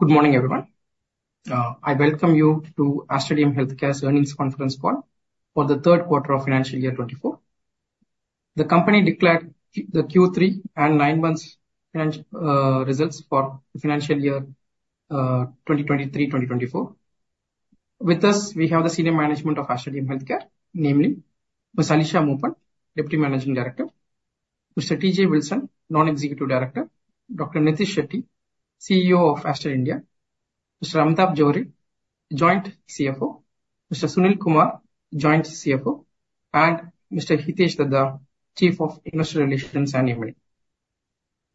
Good morning, everyone. I welcome you to Aster DM Healthcare's earnings conference call for the third quarter of financial year 2024. The company declared Q3 and nine-month financial results for financial year 2023-2024. With us, we have the senior management of Aster DM Healthcare, namely Ms. Alisha Moopen, Deputy Managing Director, Mr. T.J. Wilson, Non-Executive Director, Dr. Nitish Shetty, CEO of Aster India, Mr. Amitabh Johri, Joint CFO, Mr. Sunil Kumar, Joint CFO, and Mr. Hitesh Dhaddha, Chief of Investor Relations and M&A.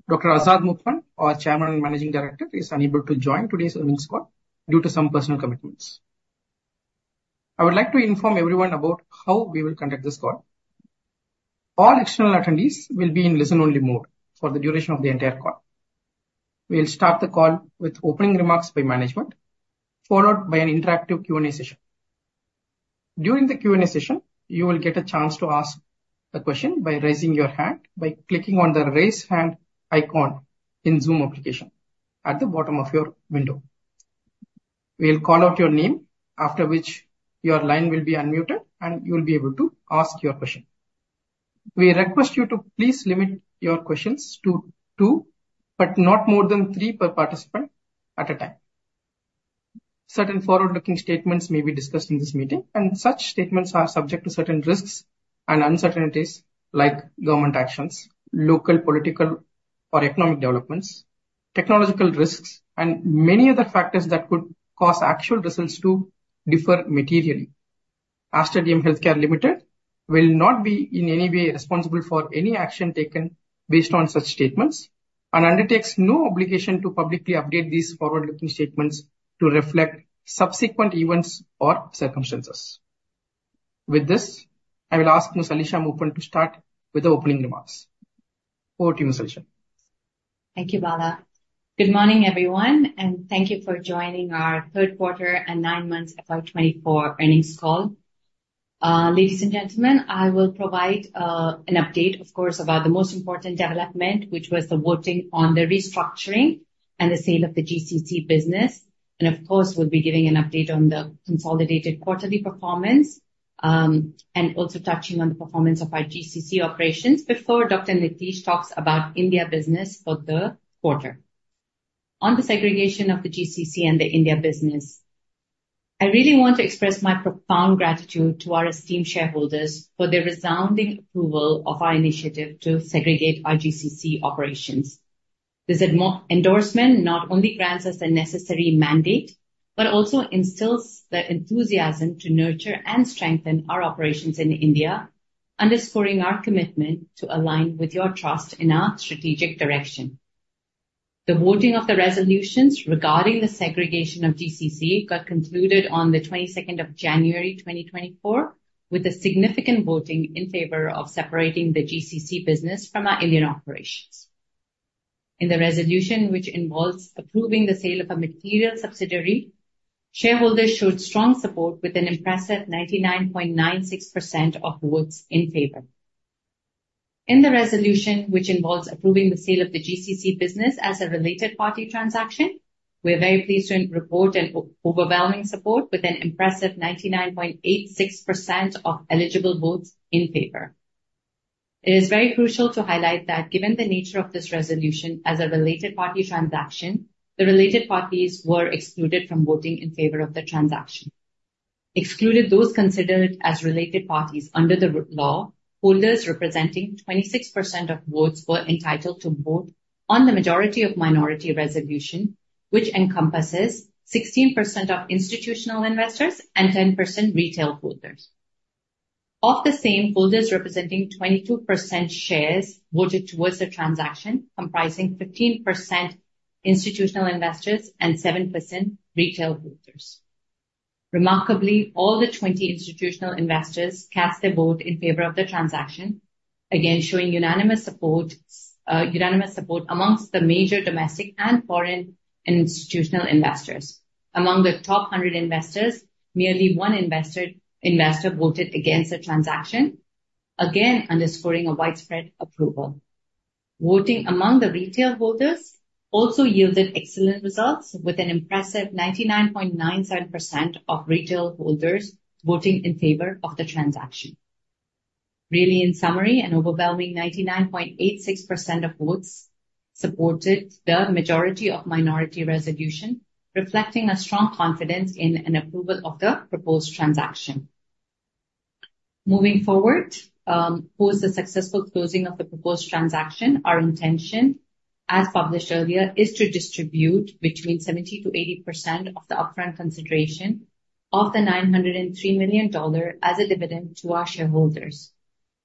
Dr. Azad Moopen, our Chairman and Managing Director, is unable to join today's earnings call due to some personal commitments. I would like to inform everyone about how we will conduct this call. All external attendees will be in listen-only mode for the duration of the entire call. We'll start the call with opening remarks by management, followed by an interactive Q&A session. During the Q&A session, you will get a chance to ask a question by raising your hand by clicking on the raise hand icon in Zoom application at the bottom of your window. We'll call out your name, after which your line will be unmuted, and you'll be able to ask your question. We request you to please limit your questions to two, but not more than three per participant at a time. Certain forward-looking statements may be discussed in this meeting, and such statements are subject to certain risks and uncertainties like government actions, local political or economic developments, technological risks, and many other factors that could cause actual results to differ materially. Aster DM Healthcare Limited will not be in any way responsible for any action taken based on such statements and undertakes no obligation to publicly update these forward-looking statements to reflect subsequent events or circumstances. With this, I will ask Ms. Alisha Moopen to start with the opening remarks. Over to you, Ms. Alisha. Thank you, Bala. Good morning, everyone, and thank you for joining our third quarter and nine-month FY 2024 earnings call. Ladies and gentlemen, I will provide an update, of course, about the most important development, which was the voting on the restructuring and the sale of the GCC business, and of course we'll be giving an update on the consolidated quarterly performance, and also touching on the performance of our GCC operations before Dr. Nitish talks about India business for the quarter. On the segregation of the GCC and the India business, I really want to express my profound gratitude to our esteemed shareholders for their resounding approval of our initiative to segregate our GCC operations. This endorsement not only grants us the necessary mandate but also instills the enthusiasm to nurture and strengthen our operations in India, underscoring our commitment to align with your trust in our strategic direction. The voting of the resolutions regarding the segregation of GCC got concluded on the 22nd of January, 2024, with a significant voting in favor of separating the GCC business from our Indian operations. In the resolution, which involves approving the sale of a material subsidiary, shareholders showed strong support with an impressive 99.96% of votes in favor. In the resolution, which involves approving the sale of the GCC business as a related-party transaction, we're very pleased to report an overwhelming support with an impressive 99.86% of eligible votes in favor. It is very crucial to highlight that, given the nature of this resolution as a related-party transaction, the related parties were excluded from voting in favor of the transaction. Excluded those considered as related parties under the relevant law, holders representing 26% of votes were entitled to vote on the majority-of-minority resolution, which encompasses 16% of institutional investors and 10% retail holders. Of the same, holders representing 22% shares voted towards the transaction, comprising 15% institutional investors and 7% retail holders. Remarkably, all the 20 institutional investors cast their vote in favor of the transaction, again showing unanimous support amongst the major domestic and foreign institutional investors. Among the top 100 investors, merely one investor voted against the transaction, again underscoring a widespread approval. Voting among the retail holders also yielded excellent results, with an impressive 99.97% of retail holders voting in favor of the transaction. Really, in summary, an overwhelming 99.86% of votes supported the majority-of-minority resolution, reflecting a strong confidence in an approval of the proposed transaction. Moving forward, post the successful closing of the proposed transaction, our intention, as published earlier, is to distribute between 70%-80% of the upfront consideration of the $903 million as a dividend to our shareholders.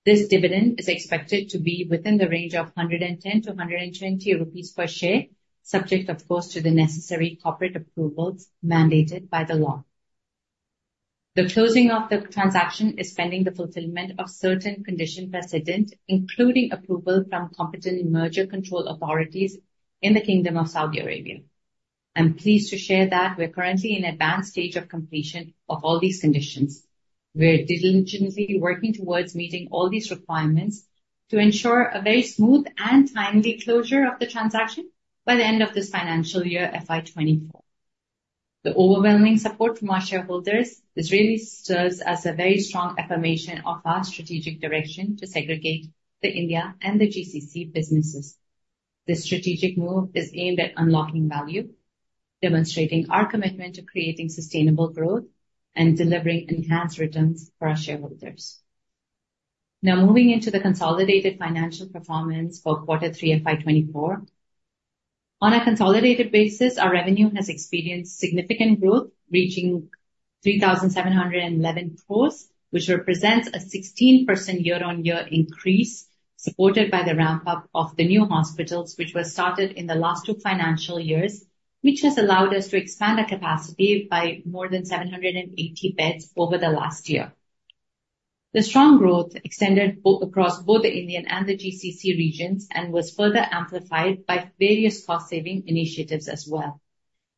This dividend is expected to be within the range of 110-120 rupees per share, subject, of course, to the necessary corporate approvals mandated by the law. The closing of the transaction is pending the fulfillment of certain condition precedent, including approval from competent merger control authorities in the Kingdom of Saudi Arabia. I'm pleased to share that we're currently in an advanced stage of completion of all these conditions. We're diligently working towards meeting all these requirements to ensure a very smooth and timely closure of the transaction by the end of this financial year FY 2024. The overwhelming support from our shareholders, this really serves as a very strong affirmation of our strategic direction to segregate the India and the GCC businesses. This strategic move is aimed at unlocking value, demonstrating our commitment to creating sustainable growth, and delivering enhanced returns for our shareholders. Now, moving into the consolidated financial performance for quarter three FY 2024. On a consolidated basis, our revenue has experienced significant growth, reaching 3,711 crores, which represents a 16% year-on-year increase supported by the ramp-up of the new hospitals, which was started in the last two financial years, which has allowed us to expand our capacity by more than 780 beds over the last year. The strong growth extended to across both the Indian and the GCC regions and was further amplified by various cost-saving initiatives as well.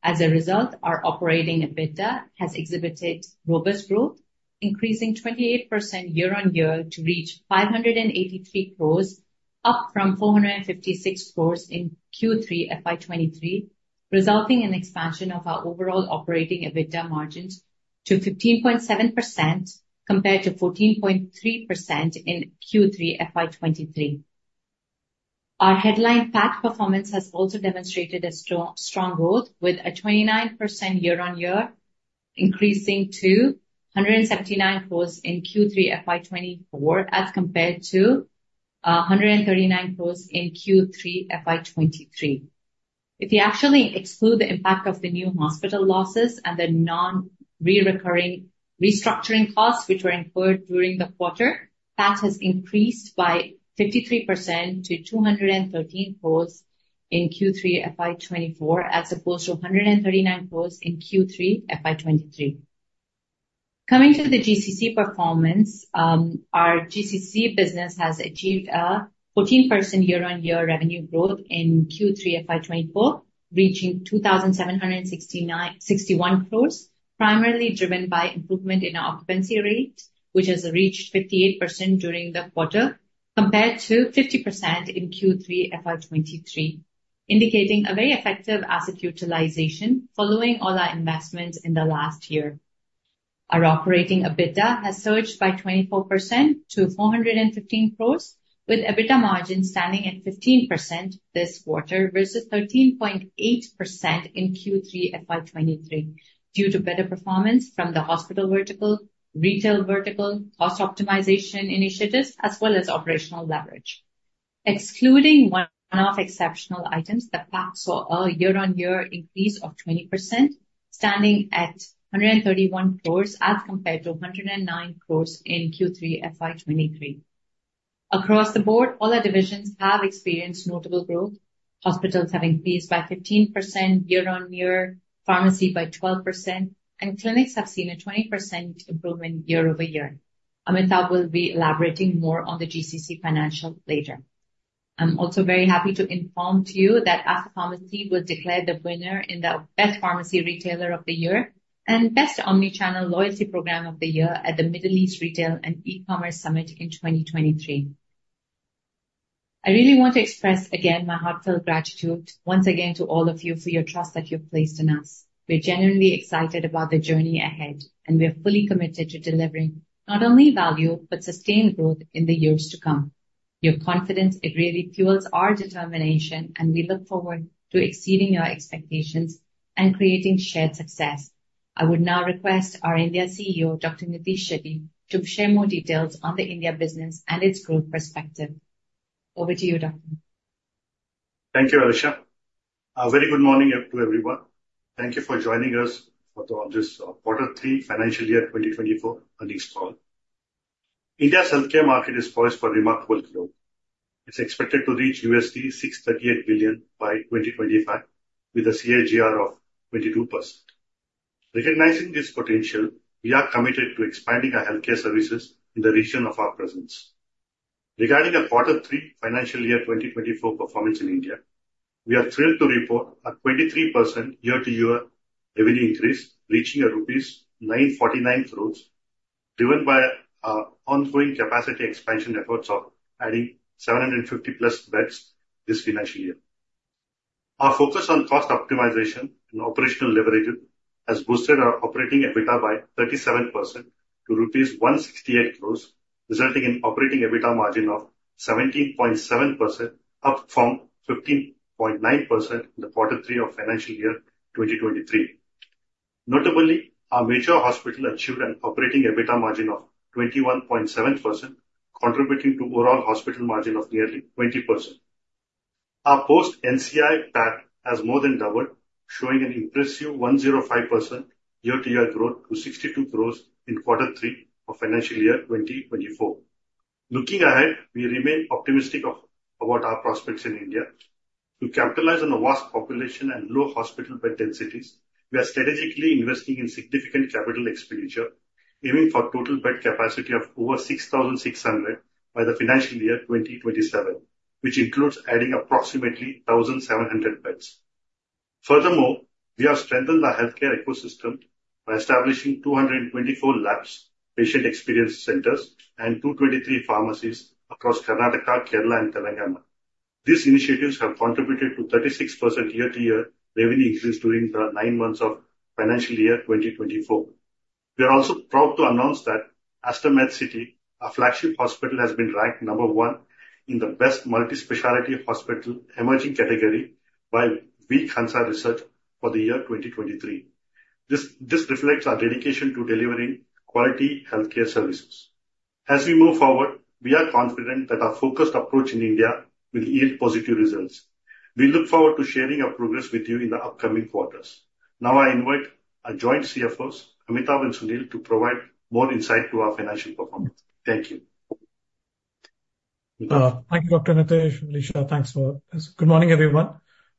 As a result, our operating EBITDA has exhibited robust growth, increasing 28% year-on-year to reach 583 crores, up from 456 crores in Q3 FY 2023, resulting in an expansion of our overall operating EBITDA margins to 15.7% compared to 14.3% in Q3 FY 2023. Our headline PAT performance has also demonstrated a strong growth, with a 29% year-on-year increase to 179 crores in Q3 FY 2024 as compared to 139 crores in Q3 FY 2023. If you actually exclude the impact of the new hospital losses and the non-recurring restructuring costs which were incurred during the quarter, PAT has increased by 53% to 213 crores in Q3 FY 2024 as opposed to 139 crores in Q3 FY 2023. Coming to the GCC performance, our GCC business has achieved a 14% year-on-year revenue growth in Q3 FY 2024, reaching 2,769.61 crores, primarily driven by improvement in our occupancy rate, which has reached 58% during the quarter compared to 50% in Q3 FY 2023, indicating a very effective asset utilization following all our investments in the last year. Our operating EBITDA has surged by 24% to 415 crores, with EBITDA margins standing at 15% this quarter versus 13.8% in Q3 FY 2023 due to better performance from the hospital vertical, retail vertical, cost optimization initiatives, as well as operational leverage. Excluding one-off exceptional items, the PAT saw a year-on-year increase of 20%, standing at 131 crores as compared to 109 crores in Q3 FY 2023. Across the board, all our divisions have experienced notable growth. Hospitals have increased by 15% year-on-year, pharmacy by 12%, and clinics have seen a 20% improvement year-over-year. Amitabh will be elaborating more on the GCC financial later. I'm also very happy to inform you that Aster Pharmacy will declare the winner in the Best Pharmacy Retailer of the Year and Best Omnichannel Loyalty Program of the Year at the Middle East Retail and E-commerce Summit in 2023. I really want to express, again, my heartfelt gratitude once again to all of you for your trust that you've placed in us. We're genuinely excited about the journey ahead, and we're fully committed to delivering not only value but sustained growth in the years to come. Your confidence, it really fuels our determination, and we look forward to exceeding your expectations and creating shared success. I would now request our India CEO, Dr. Nitish Shetty, to share more details on the India business and its growth perspective. Over to you, Dr. Thank you, Alisha. Very good morning to everyone. Thank you for joining us on this quarter three financial year 2024 earnings call. India's healthcare market is poised for remarkable growth. It's expected to reach $638 billion by 2025, with a CAGR of 22%. Recognizing this potential, we are committed to expanding our healthcare services in the region of our presence. Regarding our quarter three financial year 2024 performance in India, we are thrilled to report a 23% year-over-year revenue increase, reaching rupees 949 crores, driven by ongoing capacity expansion efforts of adding 750+ beds this financial year. Our focus on cost optimization and operational leverage has boosted our operating EBITDA by 37% to rupees 168 crores, resulting in an operating EBITDA margin of 17.7%, up from 15.9% in the quarter three of financial year 2023. Notably, our major hospital achieved an operating EBITDA margin of 21.7%, contributing to overall hospital margin of nearly 20%. Our post-NCI PAT has more than doubled, showing an impressive 105% year-to-year growth to 62 crore in quarter three of financial year 2024. Looking ahead, we remain optimistic of about our prospects in India. To capitalize on a vast population and low hospital bed densities, we are strategically investing in significant capital expenditure, aiming for a total bed capacity of over 6,600 by the financial year 2027, which includes adding approximately 1,700 beds. Furthermore, we are strengthening the healthcare ecosystem by establishing 224 labs, patient experience centers, and 223 pharmacies across Karnataka, Kerala, and Telangana. These initiatives have contributed to a 36% year-to-year revenue increase during the nine months of financial year 2024. We are also proud to announce that Aster Medcity, a flagship hospital, has been ranked number one in the Best Multispecialty Hospital Emerging category by Week Hansa Research for the year 2023. This reflects our dedication to delivering quality healthcare services. As we move forward, we are confident that our focused approach in India will yield positive results. We look forward to sharing our progress with you in the upcoming quarters. Now, I invite our joint CFOs, Amitabh and Sunil, to provide more insight to our financial performance. Thank you. Thank you, Dr. Nitish. Alisha, thanks for this good morning, everyone.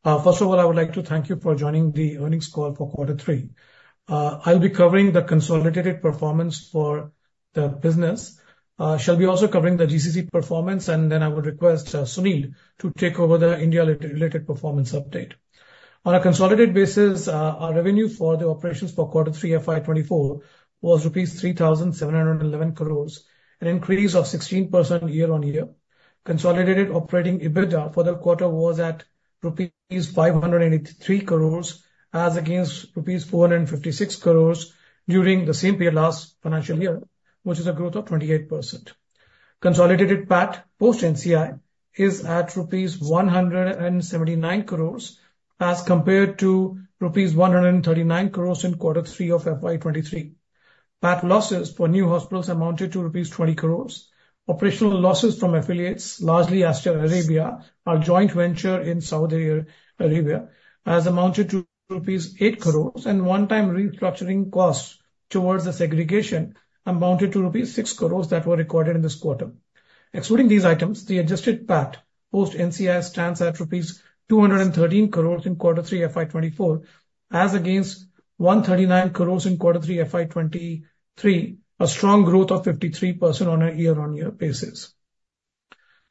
First of all, I would like to thank you for joining the earnings call for quarter three. I'll be covering the consolidated performance for the business. I shall be also covering the GCC performance, and then I would request Sunil to take over the India-related performance update. On a consolidated basis, our revenue for the operations for quarter three FY 2024 was rupees 3,711 crores, an increase of 16% year-on-year. Consolidated operating EBITDA for the quarter was at rupees 583 crores as against rupees 456 crores during the same period last financial year, which is a growth of 28%. Consolidated PAT post-NCI is at rupees 179 crores as compared to rupees 139 crores in quarter three of FY 2023. PAT losses for new hospitals amounted to rupees 20 crores. Operational losses from affiliates, largely Aster Arabia, our joint venture in Saudi Arabia, has amounted to 8 crores rupees, and one-time restructuring costs towards the segregation amounted to rupees 6 crores that were recorded in this quarter. Excluding these items, the adjusted PAT post-NCI stands at rupees 213 crores in quarter three FY 2024 as against 139 crores in quarter three FY 2023, a strong growth of 53% on a year-on-year basis.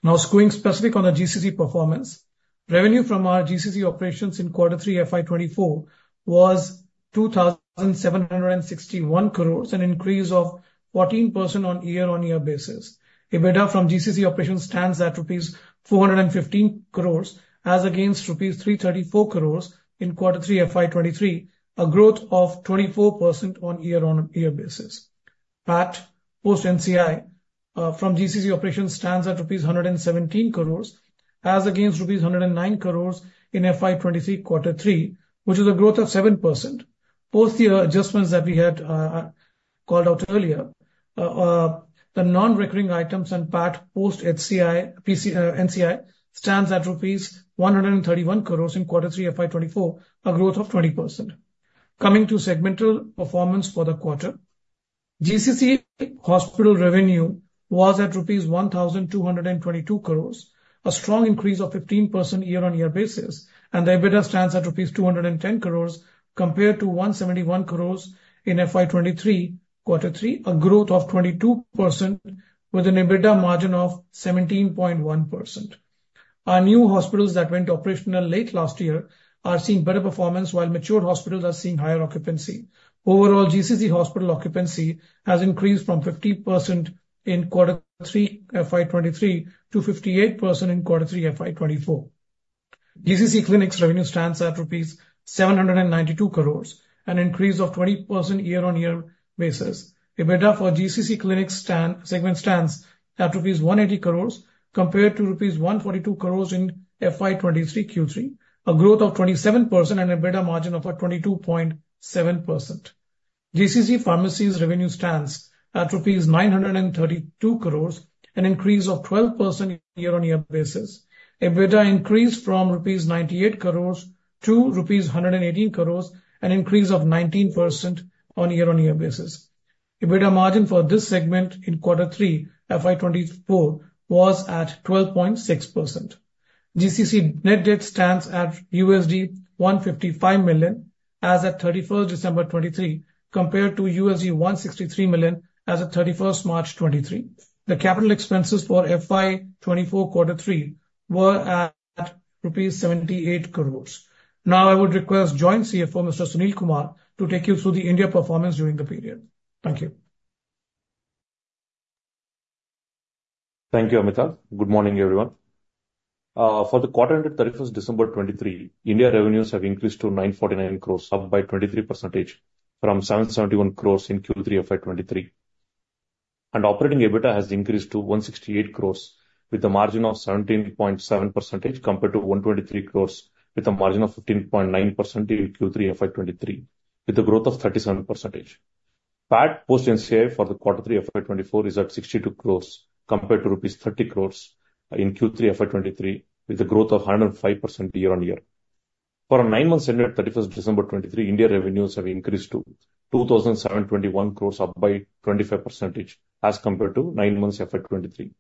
Now, getting specific on the GCC performance, revenue from our GCC operations in quarter three FY 2024 was 2,761 crores, an increase of 14% on a year-on-year basis. EBITDA from GCC operations stands at rupees 415 crores as against rupees 334 crores in quarter three FY 2023, a growth of 24% on a year-on-year basis. PAT post-NCI, from GCC operations stands at rupees 117 crores as against rupees 109 crores in FY 2023 quarter three, which is a growth of 7%. Post the adjustments that we had, called out earlier, the non-recurring items and PAT post-NCI stands at rupees 131 crores in quarter three FY 2024, a growth of 20%. Coming to segmental performance for the quarter, GCC hospital revenue was at rupees 1,222 crores, a strong increase of 15% year-over-year basis, and the EBITDA stands at rupees 210 crores compared to 171 crores in FY 2023 quarter three, a growth of 22% with an EBITDA margin of 17.1%. Our new hospitals that went operational late last year are seeing better performance, while mature hospitals are seeing higher occupancy. Overall, GCC hospital occupancy has increased from 50% in quarter three FY 2023 to 58% in quarter three FY 2024. GCC clinics revenue stands at rupees 792 crores, an increase of 20% year-over-year basis. EBITDA for GCC clinics segment stands at rupees 180 crores compared to rupees 142 crores in FY 2023 Q3, a growth of 27% and an EBITDA margin of 22.7%. GCC pharmacies revenue stands at rupees 932 crores, an increase of 12% year-over-year basis. EBITDA increased from rupees 98 crores to rupees 118 crores, an increase of 19% on a year-over-year basis. EBITDA margin for this segment in quarter three FY 2024 was at 12.6%. GCC net debt stands at $155 million as of 31 December 2023 compared to $163 million as of 31 March 2023. The capital expenses for FY 2024 quarter three were at rupees 78 crores. Now, I would request joint CFO, Mr. Sunil Kumar, to take you through the India performance during the period. Thank you. Thank you, Amitabh. Good morning, everyone. For the quarter ended 31 December 2023, India revenues have increased to 949 crores, up by 23% from 771 crores in Q3 FY 2023. Operating EBITDA has increased to 168 crores, with a margin of 17.7% compared to 123 crores, with a margin of 15.9% in Q3 FY 2023, with a growth of 37%. PAT post-NCI for the quarter three FY 2024 is at 62 crores compared to rupees 30 crores in Q3 FY 2023, with a growth of 105% year-on-year. For a nine months ended 31 December 2023, India revenues have increased to 2,721 crores, up by 25% as compared to nine months FY 2023.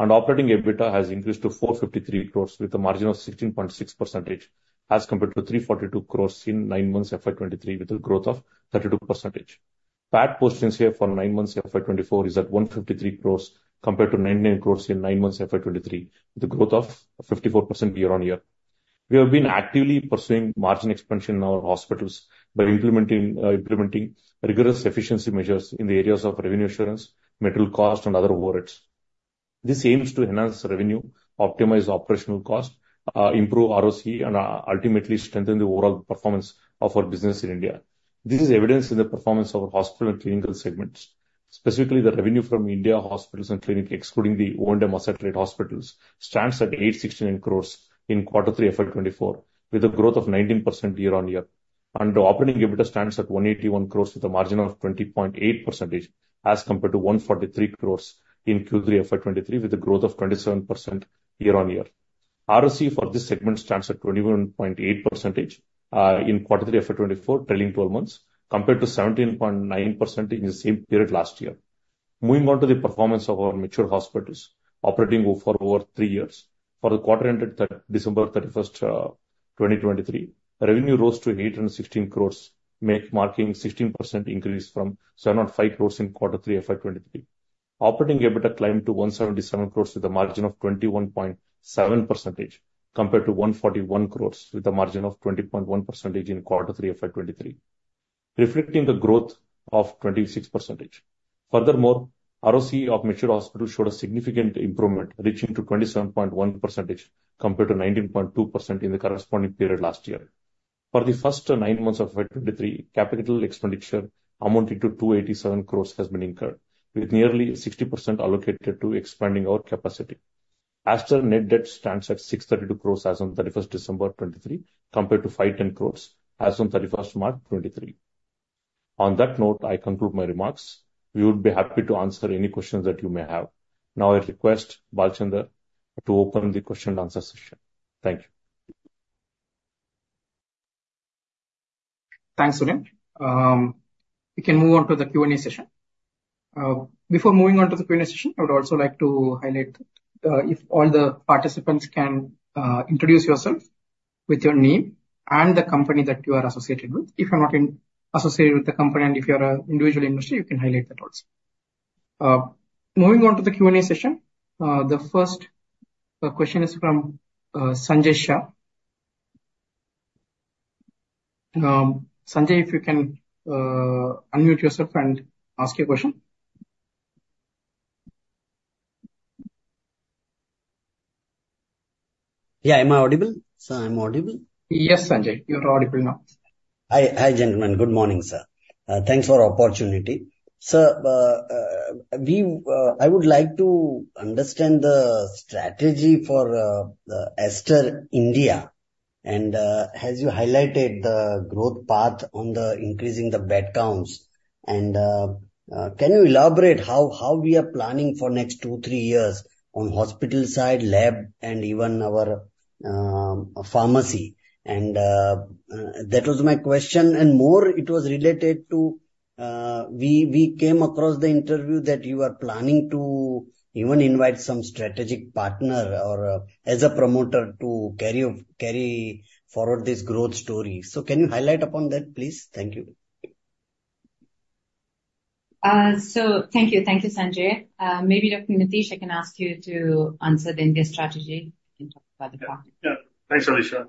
Operating EBITDA has increased to 453 crores, with a margin of 16.6% as compared to 342 crores in nine months FY 2023, with a growth of 32%. PAT post-NCI for nine months FY 2024 is at 153 crores compared to 99 crores in nine months FY 2023, with a growth of 54% year-on-year. We have been actively pursuing margin expansion in our hospitals by implementing rigorous efficiency measures in the areas of revenue assurance, material cost, and other overheads. This aims to enhance revenue, optimize operational cost, improve ROC, and, ultimately strengthen the overall performance of our business in India. This is evidenced in the performance of our hospital and clinical segments. Specifically, the revenue from India hospitals and clinics, excluding the O&M Asset-Light Hospitals, stands at 816 crores in quarter three FY 2024, with a growth of 19% year-on-year. Operating EBITDA stands at 181 crores, with a margin of 20.8% as compared to 143 crores in Q3 FY 2023, with a growth of 27% year-on-year. ROC for this segment stands at 21.8%, in quarter three FY 2024, trailing 12 months, compared to 17.9% in the same period last year. Moving on to the performance of our mature hospitals, operating for over three years, for the quarter ended December 31, 2023, revenue rose to 816 crores, making a 16% increase from 705 crores in quarter 3 FY 2023. Operating EBITDA climbed to 177 crores, with a margin of 21.7% compared to 141 crores, with a margin of 20.1% in quarter three FY 2023, reflecting the growth of 26%. Furthermore, ROC of mature hospitals showed a significant improvement, reaching 27.1% compared to 19.2% in the corresponding period last year. For the first nine months of FY 2023, capital expenditure amounting to 287 crores has been incurred, with nearly 60% allocated to expanding our capacity. Aster net debt stands at INR 632 crores as on 31 December 2023, compared to INR 510 crores as on 31 March 2023. On that note, I conclude my remarks. We would be happy to answer any questions that you may have. Now, I request Balchandar to open the question and answer session. Thank you. Thanks, Sunil. We can move on to the Q&A session. Before moving on to the Q&A session, I would also like to highlight that if all the participants can introduce yourself with your name and the company that you are associated with. If you're not associated with the company and if you're an individual investor, you can highlight that also. Moving on to the Q&A session, the first question is from Sanjay Shah. Sanjay, if you can unmute yourself and ask your question. Yeah. Am I audible? Sir, I'm audible. Yes, Sanjay. You're audible now. Hi, hi, gentlemen. Good morning, sir. Thanks for the opportunity. Sir, I would like to understand the strategy for the Aster India. As you highlighted, the growth path on increasing the bed counts. Can you elaborate how we are planning for next two to three years on hospital side, lab, and even our pharmacy? That was my question. More, it was related to, we came across the interview that you are planning to even invite some strategic partner or as a promoter to carry forward this growth story. So can you highlight upon that, please? Thank you. Thank you. Thank you, Sanjay. Maybe Dr. Nitish, I can ask you to answer the India strategy and talk about the partner. Yeah. Thanks, Alisha.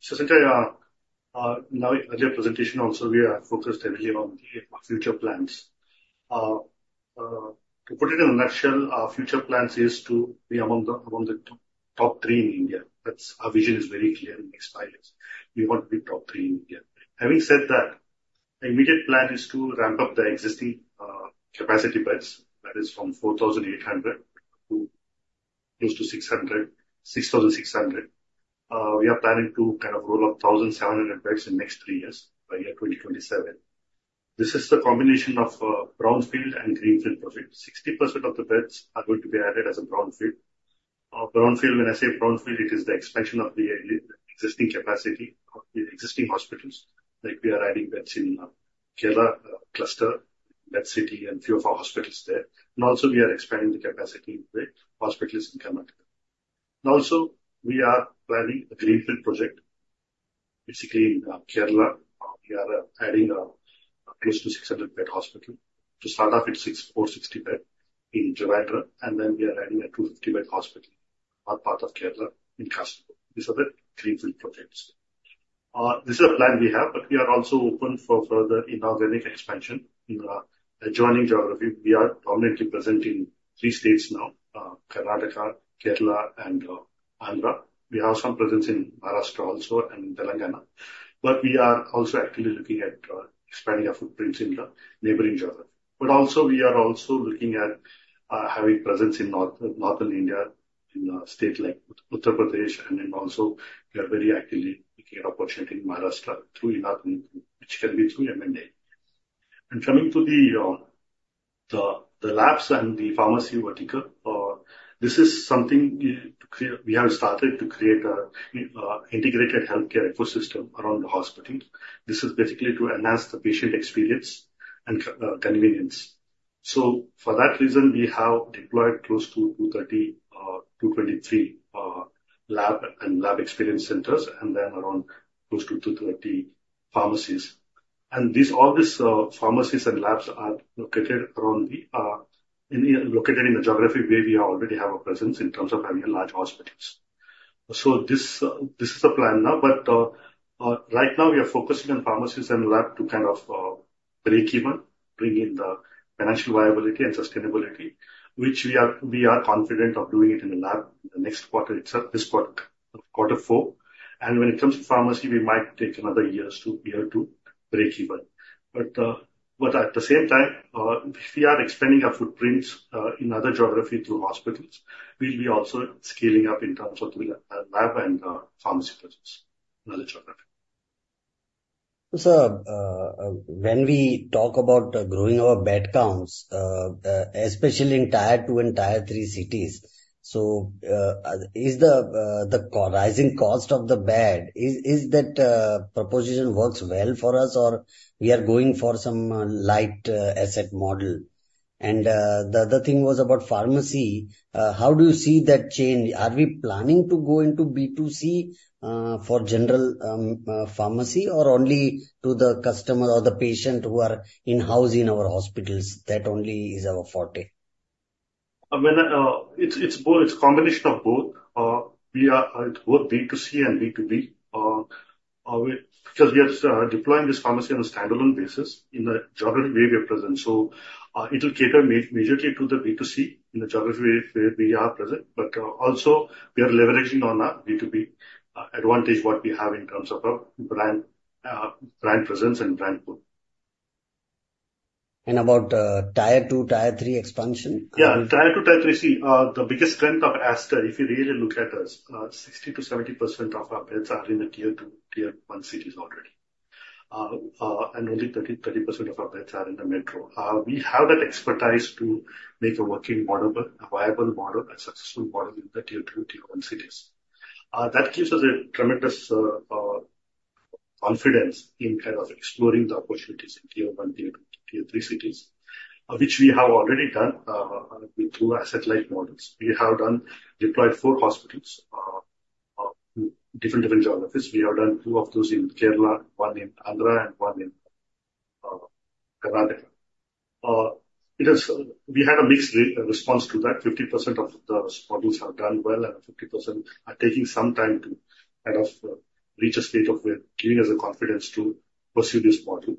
So, Sanjay, in our presentation also, we are focused heavily on the future plans. To put it in a nutshell, our future plans is to be among the among the top three in India. That's our vision is very clear in the next five years. We want to be top three in India. Having said that, our immediate plan is to ramp up the existing capacity beds. That is from 4,800 to close to 6,000-6,600. We are planning to kind of roll up 1,700 beds in the next three years by year 2027. This is the combination of brownfield and greenfield projects. 60% of the beds are going to be added as a brownfield. Brownfield, when I say brownfield, it is the expansion of the existing capacity of the existing hospitals. Like, we are adding beds in Kerala cluster, Medcity, and a few of our hospitals there. We are expanding the capacity with hospitals in Karnataka. We are planning a greenfield project. Basically, in Kerala, we are adding close to a 600-bed hospital. To start off, it's 460 beds in Kochi, and then we are adding a 250-bed hospital in our part of Kerala in Kasaragod. These are the greenfield projects. This is a plan we have, but we are also open for further inorganic expansion in adjoining geography. We are dominantly present in three states now: Karnataka, Kerala, and Andhra. We have some presence in Maharashtra also and Telangana. But we are also actively looking at expanding our footprints in the neighboring geography. But also, we are also looking at having presence in northern India in a state like Uttar Pradesh. We are very actively looking at opportunity in Maharashtra through inorganic, which can be through M&A. Coming to the labs and the pharmacy vertical, this is something we have started to create an integrated healthcare ecosystem around the hospitals. This is basically to enhance the patient experience and convenience. So for that reason, we have deployed close to 230, 223 lab and lab experience centers, and then around close to 230 pharmacies. And these pharmacies and labs are located in a geography where we already have a presence in terms of having large hospitals. So this is a plan now. But right now, we are focusing on pharmacies and lab to kind of break even, bring in the financial viability and sustainability, which we are confident of doing it in the lab in the next quarter itself, this quarter, quarter four. When it comes to pharmacy, we might take another year or two to break even. But at the same time, if we are expanding our footprints in other geography through hospitals, we'll be also scaling up in terms of the lab and pharmacy presence in other geography. Sir, when we talk about growing our bed counts, especially in Tier 2 and Tier 3 cities, so, is the rising cost of the bed, is that proposition works well for us, or we are going for some light asset model? The other thing was about pharmacy. How do you see that change? Are we planning to go into B2C, for general pharmacy, or only to the customer or the patient who are in-house in our hospitals that only is our forte? I mean, it's it's both. It's a combination of both. We are it's both B2C and B2B. Because we are deploying this pharmacy on a standalone basis in the geography where we are present. So, it'll cater majorly to the B2C in the geography where we are present. But also, we are leveraging on our B2B advantage, what we have in terms of our brand, brand presence and brand pool. About Tier 2, Tier 3 expansion? Yeah. Tier 2, Tier 3. See, the biggest strength of Aster, if you really look at us, 60%-70% of our beds are in the Tier 2, Tier 1 cities already. And only 30%-30% of our beds are in the metro. We have that expertise to make a working model, a viable model, a successful model in the Tier 2, Tier 1 cities. That gives us tremendous confidence in kind of exploring the opportunities in Tier 1, Tier 2, Tier 3 cities, which we have already done, through our satellite models. We have deployed four hospitals in different geographies. We have done two of those in Kerala, one in Andhra, and one in Karnataka. We had a mixed response to that. 50% of the models have done well, and 50% are taking some time to kind of reach a state of where it gives us the confidence to pursue this model.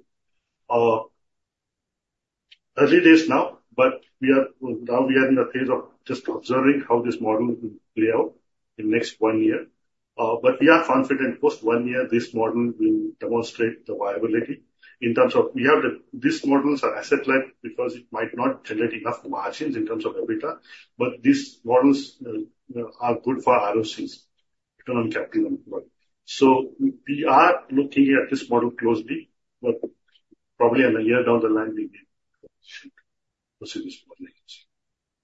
Early days now, but we are now in the phase of just observing how this model will play out in the next one year. But we are confident post one year, this model will demonstrate the viability in terms of we have the these models are asset-led because it might not generate enough margins in terms of EBITDA, but these models are good for ROCs, economic capital on the board. So we are looking at this model closely, but probably in a year down the line, we may pursue this model.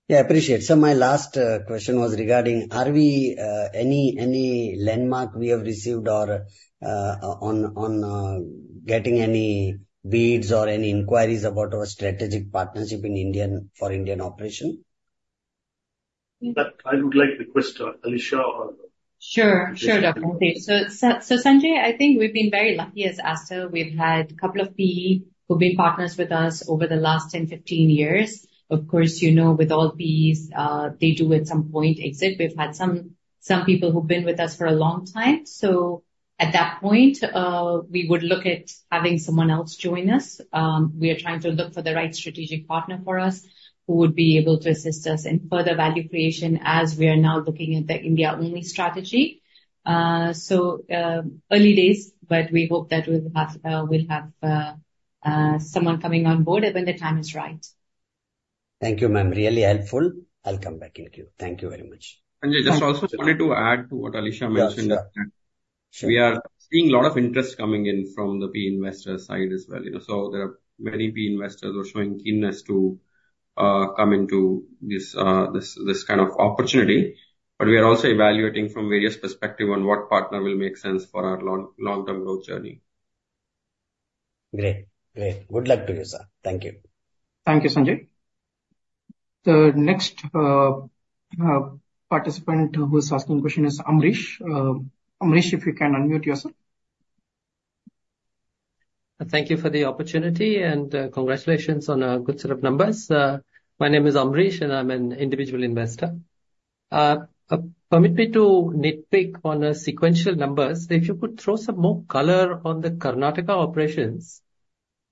Yeah, I appreciate. So my last question was regarding any landmark we have received or on getting any leads or any inquiries about our strategic partnership in India for Indian operation? I would like to request, Alisha or. Sure. Sure, Dr. Nitish. So Sanjay, I think we've been very lucky as Aster. We've had a couple of PEs who've been partners with us over the last 10, 15 years. Of course, you know, with all PEs, they do at some point exit. We've had some, some people who've been with us for a long time. So at that point, we would look at having someone else join us. We are trying to look for the right strategic partner for us who would be able to assist us in further value creation as we are now looking at the India-only strategy. So, early days, but we hope that we'll have, we'll have, someone coming on board when the time is right. Thank you, ma'am. Really helpful. I'll come back in queue. Thank you very much. Sanjay, just also wanted to add to what Alisha mentioned that we are seeing a lot of interest coming in from the PE investor side as well. You know, so there are many PE investors who are showing keenness to come into this kind of opportunity. But we are also evaluating from various perspectives on what partner will make sense for our long-term growth journey. Great. Great. Good luck to you, sir. Thank you. Thank you, Sanjay. The next participant who's asking a question is Amrish. Amrish, if you can unmute yourself. Thank you for the opportunity, and congratulations on a good set of numbers. My name is Amrish, and I'm an individual investor. Permit me to nitpick on the sequential numbers. If you could throw some more color on the Karnataka operations.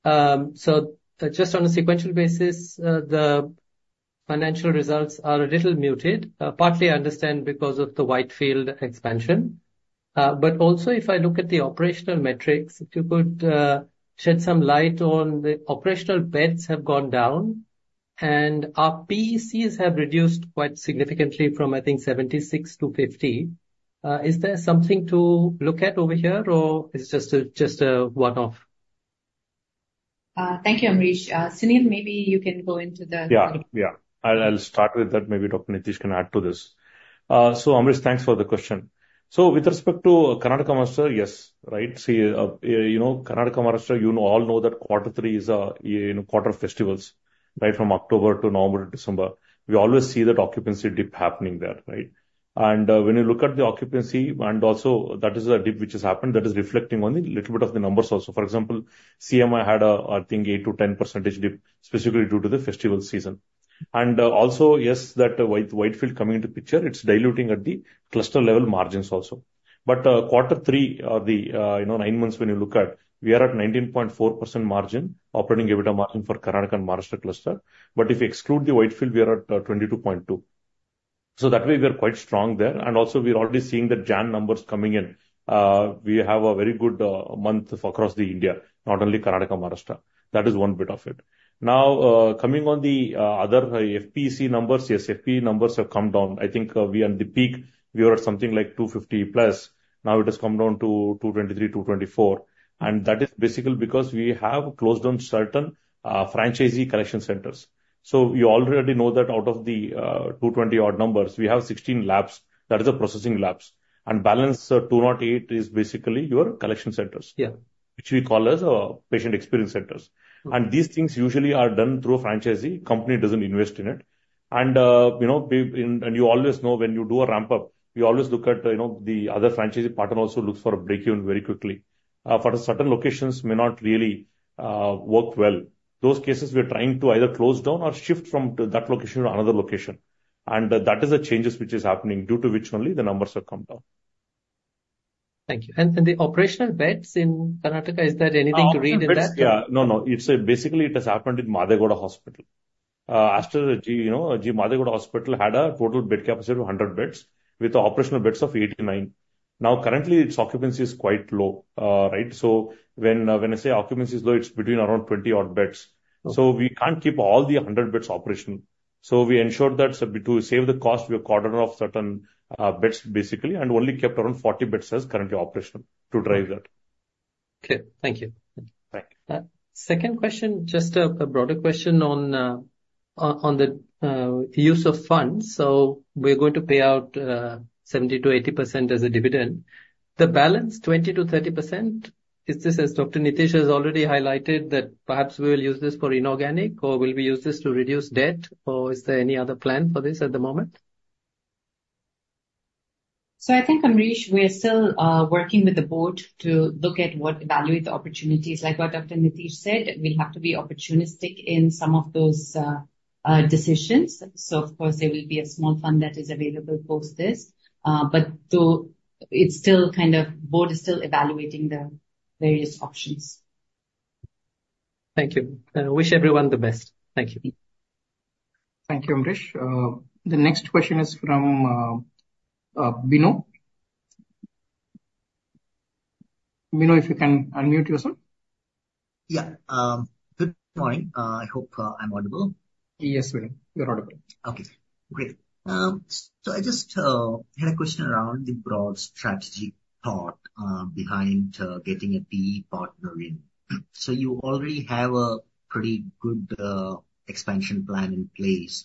So just on a sequential basis, the financial results are a little muted. Partly, I understand because of the Whitefield expansion. But also, if I look at the operational metrics, if you could shed some light on the operational beds have gone down, and our PECs have reduced quite significantly from, I think, 76 to 50. Is there something to look at over here, or is it just a one-off? Thank you, Amrish. Sunil, maybe you can go into the. Yeah. Yeah. I'll start with that. Maybe Dr. Nitish can add to this. So Amrish, thanks for the question. So with respect to Karnataka cluster, yes, right? See, you know, Karnataka cluster, you all know that quarter three is a, you know, quarter of festivals, right, from October to November to December. We always see that occupancy dip happening there, right? And, when you look at the occupancy and also, that is a dip which has happened that is reflecting on the little bit of the numbers also. For example, CMI had a, I think, 8%-10% dip specifically due to the festival season. And also, yes, that Whitefield coming into picture, it's diluting at the cluster level margins also. But quarter three, or the, you know, nine months when you look at, we are at 19.4% margin, operating EBITDA margin for Karnataka and Maharashtra cluster. But if you exclude the Whitefield, we are at 22.2%. So that way, we are quite strong there. And also, we are already seeing the January numbers coming in. We have a very good month across the India, not only Karnataka and Maharashtra. That is one bit of it. Now, coming on the other PEC numbers, yes, PEC numbers have come down. I think we are in the peak. We were at something like 250+. Now, it has come down to 223-224. And that is basically because we have closed down certain franchisee collection centers. So you already know that out of the 220-odd numbers, we have 16 labs that are processing labs. And balance 208 is basically your collection centers, which we call as patient experience centers. And these things usually are done through a franchisee. Company doesn't invest in it. You know, and you always know when you do a ramp-up, you always look at, you know, the other franchisee partner also looks for a break-even very quickly. For certain locations, may not really work well. Those cases, we are trying to either close down or shift from that location to another location. And that is a change which is happening due to which only the numbers have come down. Thank you. And the operational beds in Karnataka, is there anything to read in that? Yeah. No, no. It's basically, it has happened in Madegowda Hospital. Aster, you know, Madegowda Hospital had a total bed capacity of 100 beds with operational beds of 89. Now, currently, its occupancy is quite low, right? So when I say occupancy is low, it's between around 20-odd beds. So we can't keep all the 100 beds operational. So we ensured that to save the cost, we have quartered off certain beds, basically, and only kept around 40 beds as currently operational to drive that. Okay. Thank you. Thank you. Second question, just a broader question on the use of funds. So we're going to pay out 70%-80% as a dividend. The balance 20%-30%, is this as Dr. Nitish has already highlighted, that perhaps we will use this for inorganic, or will we use this to reduce debt, or is there any other plan for this at the moment? So I think, Amrish, we are still working with the board to look at what evaluate the opportunities. Like what Dr. Nitish said, we'll have to be opportunistic in some of those decisions. So, of course, there will be a small fund that is available post this, but though it's still kind of board is still evaluating the various options. Thank you. I wish everyone the best. Thank you. Thank you, Amrish. The next question is from Bino. Bino, if you can unmute yourself. Yeah. Good morning. I hope I'm audible. Yes, Bino. You're audible. Okay. Great. So I just had a question around the broad strategy thought behind getting a PE partner in. So you already have a pretty good expansion plan in place,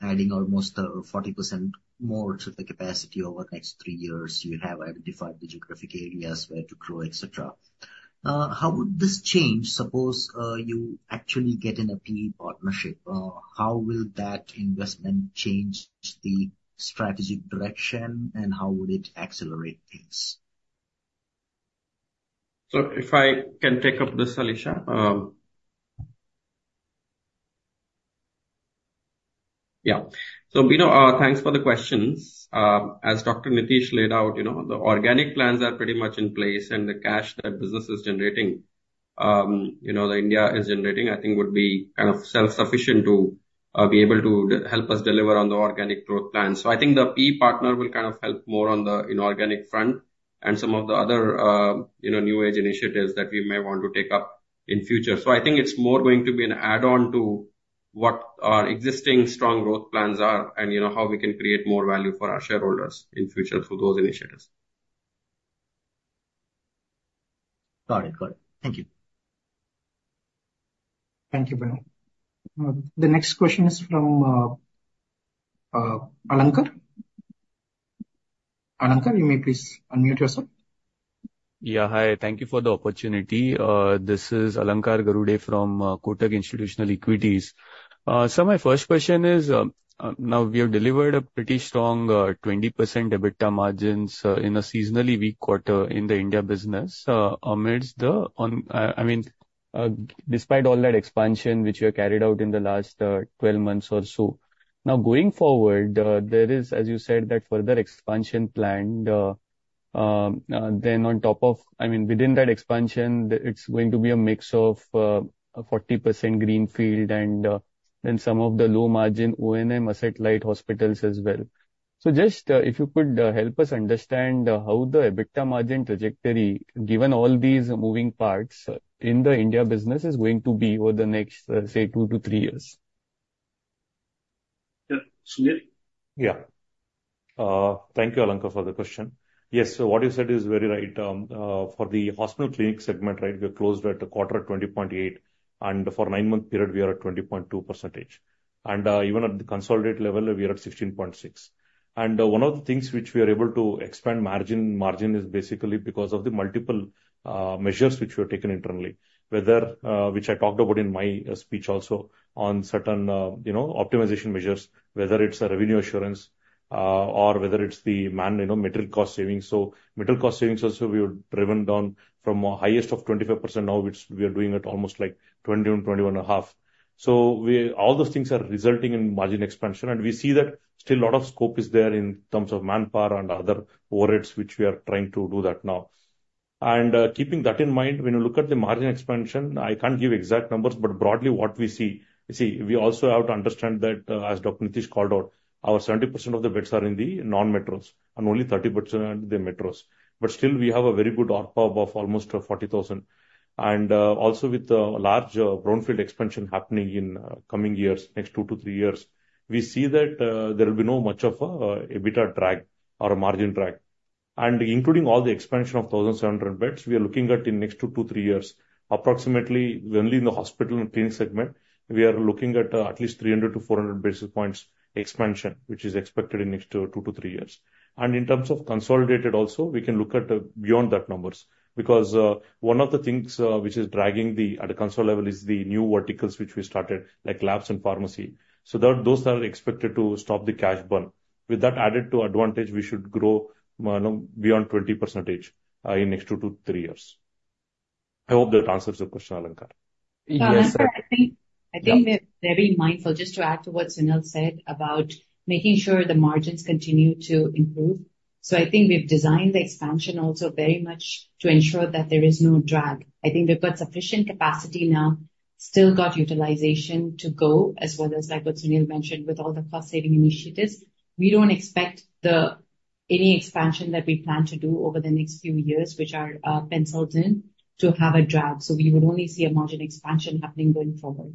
adding almost 40% more to the capacity over the next three years. You have identified the geographic areas where to grow, etc. How would this change? Suppose you actually get in a PE partnership, how will that investment change the strategic direction, and how would it accelerate things? So if I can take up this, Alisha. Yeah. So, Bino, thanks for the questions. As Dr. Nitish laid out, you know, the organic plans are pretty much in place, and the cash that business is generating, you know, that India is generating, I think would be kind of self-sufficient to be able to help us deliver on the organic growth plans. So I think the PE partner will kind of help more on the inorganic front and some of the other, you know, new-age initiatives that we may want to take up in future. So I think it's more going to be an add-on to what our existing strong growth plans are and, you know, how we can create more value for our shareholders in future through those initiatives. Got it. Got it. Thank you. Thank you, Bino. The next question is from Alankar. Alankar, you may please unmute yourself. Yeah. Hi. Thank you for the opportunity. This is Alankar Garude from Kotak Institutional Equities. So my first question is, now we have delivered a pretty strong, 20% EBITDA margins in a seasonally weak quarter in the India business, amidst the on I mean, despite all that expansion which we have carried out in the last, 12 months or so. Now, going forward, there is, as you said, that further expansion planned, then on top of I mean, within that expansion, it's going to be a mix of, 40% greenfield and, then some of the low-margin O&M, satellite hospitals as well. So just, if you could, help us understand, how the EBITDA margin trajectory, given all these moving parts in the India business, is going to be over the next, say, two to three years. Yeah. Sunil? Yeah. Thank you, Alankar, for the question. Yes. So what you said is very right. For the hospital clinic segment, right, we are clocked at a quarter at 20.8%, and for a nine-month period, we are at 20.2%. And, even at the consolidated level, we are at 16.6%. And, one of the things which we are able to expand margin margin is basically because of the multiple measures which we have taken internally, whether, which I talked about in my speech also on certain, you know, optimization measures, whether it's revenue assurance, or whether it's the manpower, you know, material cost savings. So material cost savings also, we have driven down from a highest of 25% now, which we are doing at almost like 20%-21.5%. So all those things are resulting in margin expansion, and we see that still a lot of scope is there in terms of manpower and other overheads which we are trying to do that now. Keeping that in mind, when you look at the margin expansion, I can't give exact numbers, but broadly, what we see you see, we also have to understand that, as Dr. Nitish called out, our 70% of the beds are in the non-metros and only 30% in the metros. But still, we have a very good RPOB of almost 40,000. And also with a large brownfield expansion happening in coming years, next two to three years, we see that there will be no much of a EBITDA drag or a margin drag. Including all the expansion of 1,700 beds, we are looking at in next two to three years, approximately only in the hospital and clinic segment, we are looking at at least 300-400 basis points expansion, which is expected in next two to three years. In terms of consolidated also, we can look at beyond those numbers because, one of the things, which is dragging the EBITDA at the consolidated level is the new verticals which we started, like labs and pharmacy. So those are expected to stop the cash burn. With that added advantage, we should grow, you know, beyond 20%, in next two to three years. I hope that answers your question, Alankar. Yes. Alankar, I think we're very mindful, just to add to what Sunil said about making sure the margins continue to improve. So I think we've designed the expansion also very much to ensure that there is no drag. I think we've got sufficient capacity now, still got utilization to go, as well as, like what Sunil mentioned, with all the cost-saving initiatives. We don't expect any expansion that we plan to do over the next few years, which are penciled in, to have a drag. So we would only see a margin expansion happening going forward.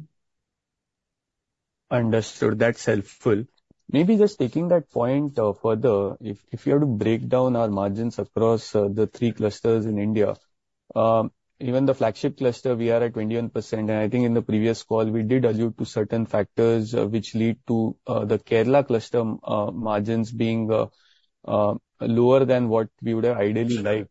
Understood. That's helpful. Maybe just taking that point further, if you have to break down our margins across the three clusters in India, even the flagship cluster, we are at 21%. And I think in the previous call, we did allude to certain factors which lead to the Kerala cluster margins being lower than what we would have ideally liked.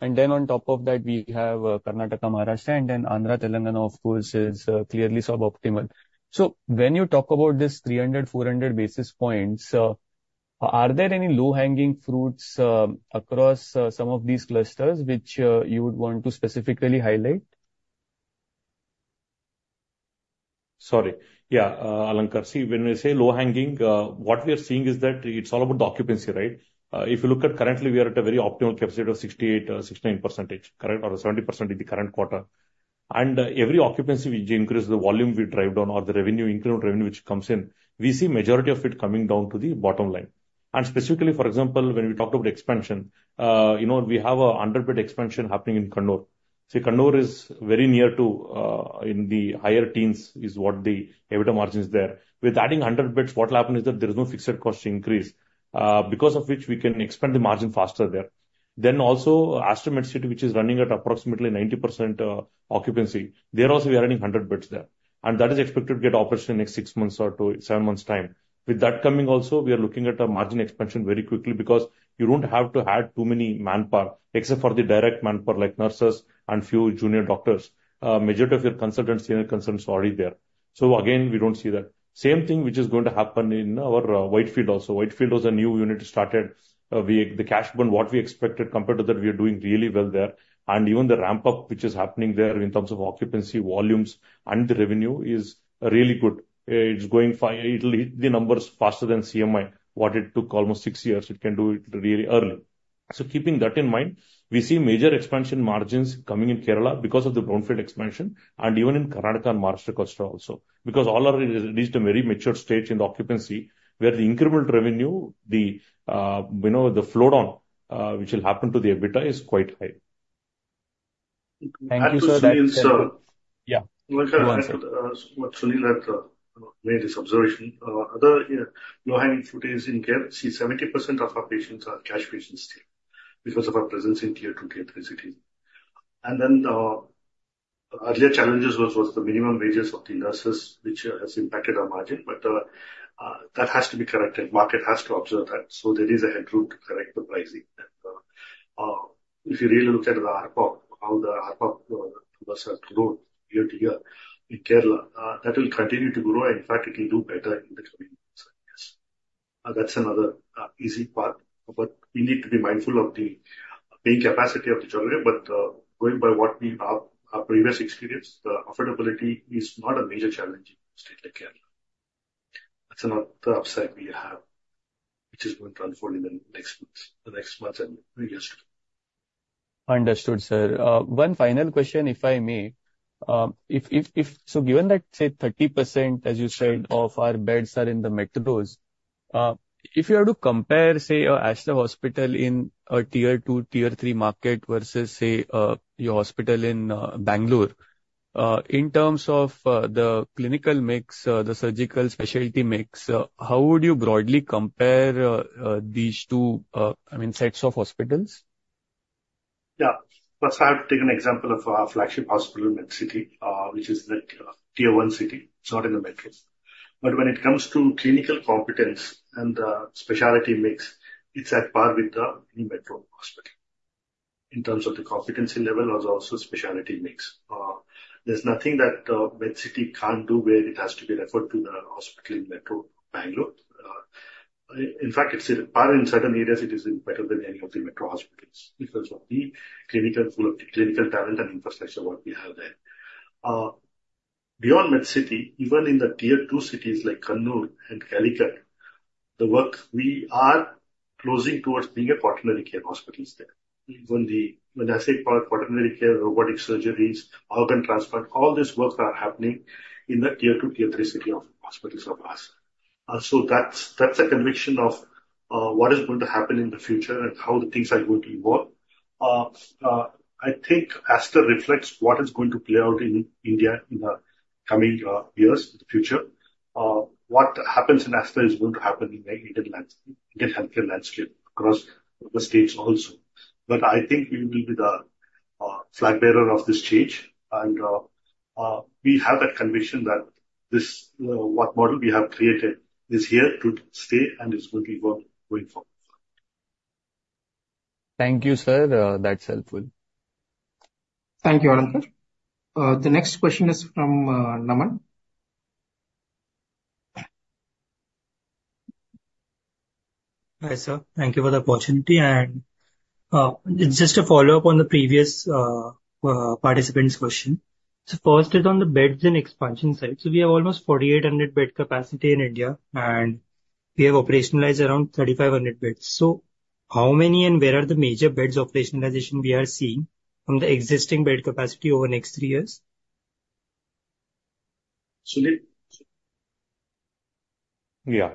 And then on top of that, we have Karnataka, Maharashtra, and then Andhra, Telangana, of course, is clearly suboptimal. So when you talk about these 300, 400 basis points, are there any low-hanging fruits across some of these clusters which you would want to specifically highlight? Sorry. Yeah, Alankar. See, when we say low-hanging, what we are seeing is that it's all about the occupancy, right? If you look at currently, we are at a very optimal capacity of 68%, 69%, correct, or 70% in the current quarter. And every occupancy which increases the volume we drive down or the revenue, incremental revenue which comes in, we see the majority of it coming down to the bottom line. And specifically, for example, when we talked about expansion, you know, we have a 100-bed expansion happening in Kannur. See, Kannur is very near to, in the higher teens is what the EBITDA margin is there. With adding 100 beds, what will happen is that there is no fixed cost to increase, because of which we can expand the margin faster there. Then also, Aster Medcity, which is running at approximately 90% occupancy, there also, we are adding 100 beds there. That is expected to get operational in the next six months or seven months' time. With that coming also, we are looking at a margin expansion very quickly because you don't have to add too many manpower, except for the direct manpower like nurses and few junior doctors. The majority of your consultants, senior consultants are already there. So again, we don't see that. The same thing which is going to happen in our Whitefield also. Whitefield was a new unit started. The cash burn, what we expected compared to that, we are doing really well there. Even the ramp-up which is happening there in terms of occupancy, volumes, and the revenue is really good. It's going fine; it'll hit the numbers faster than CMI, what it took almost six years. It can do it really early. So keeping that in mind, we see major expansion margins coming in Kerala because of the brownfield expansion and even in Karnataka and Maharashtra cluster also because all are reached a very mature stage in the occupancy where the incremental revenue, the, you know, the float-on, which will happen to the EBITDA is quite high. Thank you, sir. Yeah. What Sunil had made is an observation. Other low-hanging fruit is in Kerala. See, 70% of our patients are cash patients still because of our presence in Tier 2, Tier 3 cities. And then the earlier challenges was the minimum wages of the nurses, which has impacted our margin. But that has to be corrected. Market has to absorb that. So there is a headroom to correct the pricing. And if you really look at the ARPOB, how the ARPOB numbers have grown year-over-year in Kerala, that will continue to grow. And in fact, it will do better in the coming months, I guess. That's another easy part. But we need to be mindful of the paying capacity of the people. But going by what we have from our previous experience, the affordability is not a major challenge in a state like Kerala. That's not the upside we have, which is going to unfold in the next months, the next months, and years to come. Understood, sir. One final question, if I may. So given that, say, 30%, as you said, of our beds are in the metros, if you have to compare, say, an Aster hospital in a Tier 2, Tier 3 market versus, say, your hospital in Bangalore, in terms of the clinical mix, the surgical specialty mix, how would you broadly compare these two, I mean, sets of hospitals? Yeah. Let's take an example of our flagship hospital in Medcity, which is the Tier 1 city. It's not in the metro. But when it comes to clinical competence and the specialty mix, it's at par with the metro hospital in terms of the competency level as well as the specialty mix. There's nothing that Medcity can't do where it has to be referred to the hospital in metro Bangalore. In fact, it's at par in certain areas. It is better than any of the metro hospitals because of the clinical talent and infrastructure what we have there. Beyond Medcity, even in the Tier 2 cities like Kannur and Calicut, the work we are closing towards being a quaternary care hospital there. Even when I say quaternary care, robotic surgeries, organ transplant, all this work is happening in the Tier 2, Tier 3 city of hospitals of ours. So that's a conviction of what is going to happen in the future and how the things are going to evolve. I think Aster reflects what is going to play out in India in the coming years, the future. What happens in Aster is going to happen in the Indian healthcare landscape across the states also. But I think we will be the flagbearer of this change. And we have that conviction that this what model we have created is here to stay and is going to evolve going forward. Thank you, sir. That's helpful. Thank you, Alankar. The next question is from Naman. Hi, sir. Thank you for the opportunity. It's just a follow-up on the previous participant's question. First is on the beds and expansion side. We have almost 4,800 bed capacity in India, and we have operationalized around 3,500 beds. How many and where are the major beds operationalization we are seeing from the existing bed capacity over the next three years? Sunil? Yeah.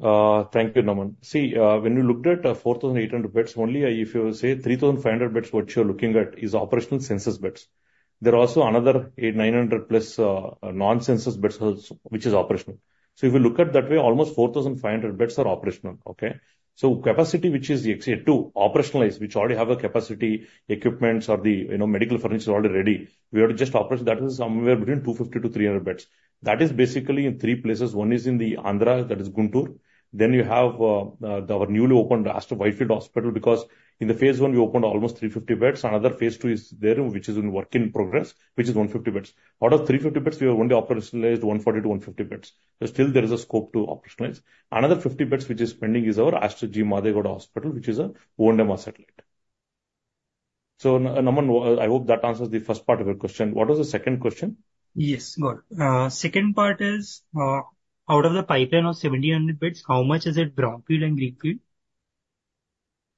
Thank you, Naman. See, when you looked at 4,800 beds, only if you say 3,500 beds, what you're looking at is operational census beds. There are also another 900+ non-census beds which are operational. So if you look at that way, almost 4,500 beds are operational, okay? So capacity which is the Tier 2 operationalized, which already have the capacity, equipments, or the medical furniture is already ready, we have to just operate that is somewhere between 250-300 beds. That is basically in three places. One is in Andhra, that is Guntur. Then you have our newly opened Aster Whitefield Hospital because in the phase I, we opened almost 350 beds. Another phase II is there, which is in work in progress, which is 150 beds. Out of 350 beds, we have only operationalized 140-150 beds. So still, there is a scope to operationalize. Another 50 beds which is pending is our Aster G. Madegowda Hospital, which is an O&M satellite. So, Naman, I hope that answers the first part of your question. What was the second question? Yes, good. Second part is, out of the pipeline of 7,800 beds, how much is it brownfield and greenfield?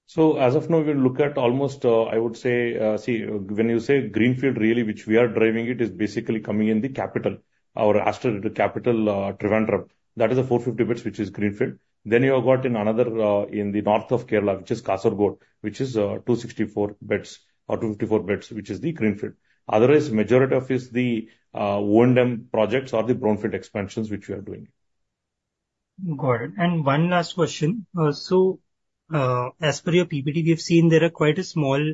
So as of now, if you look at almost, I would say, see, when you say greenfield, really, which we are driving, it is basically coming in the capital, our Aster Capital Trivandrum. That is the 450 beds which is greenfield. Then you have got in another in the north of Kerala, which is Kasaragod, which is 264 beds or 254 beds, which is the greenfield. Otherwise, the majority of is the O&M projects or the brownfield expansions which we are doing. Got it. One last question. As per your PPT, we have seen there are quite a small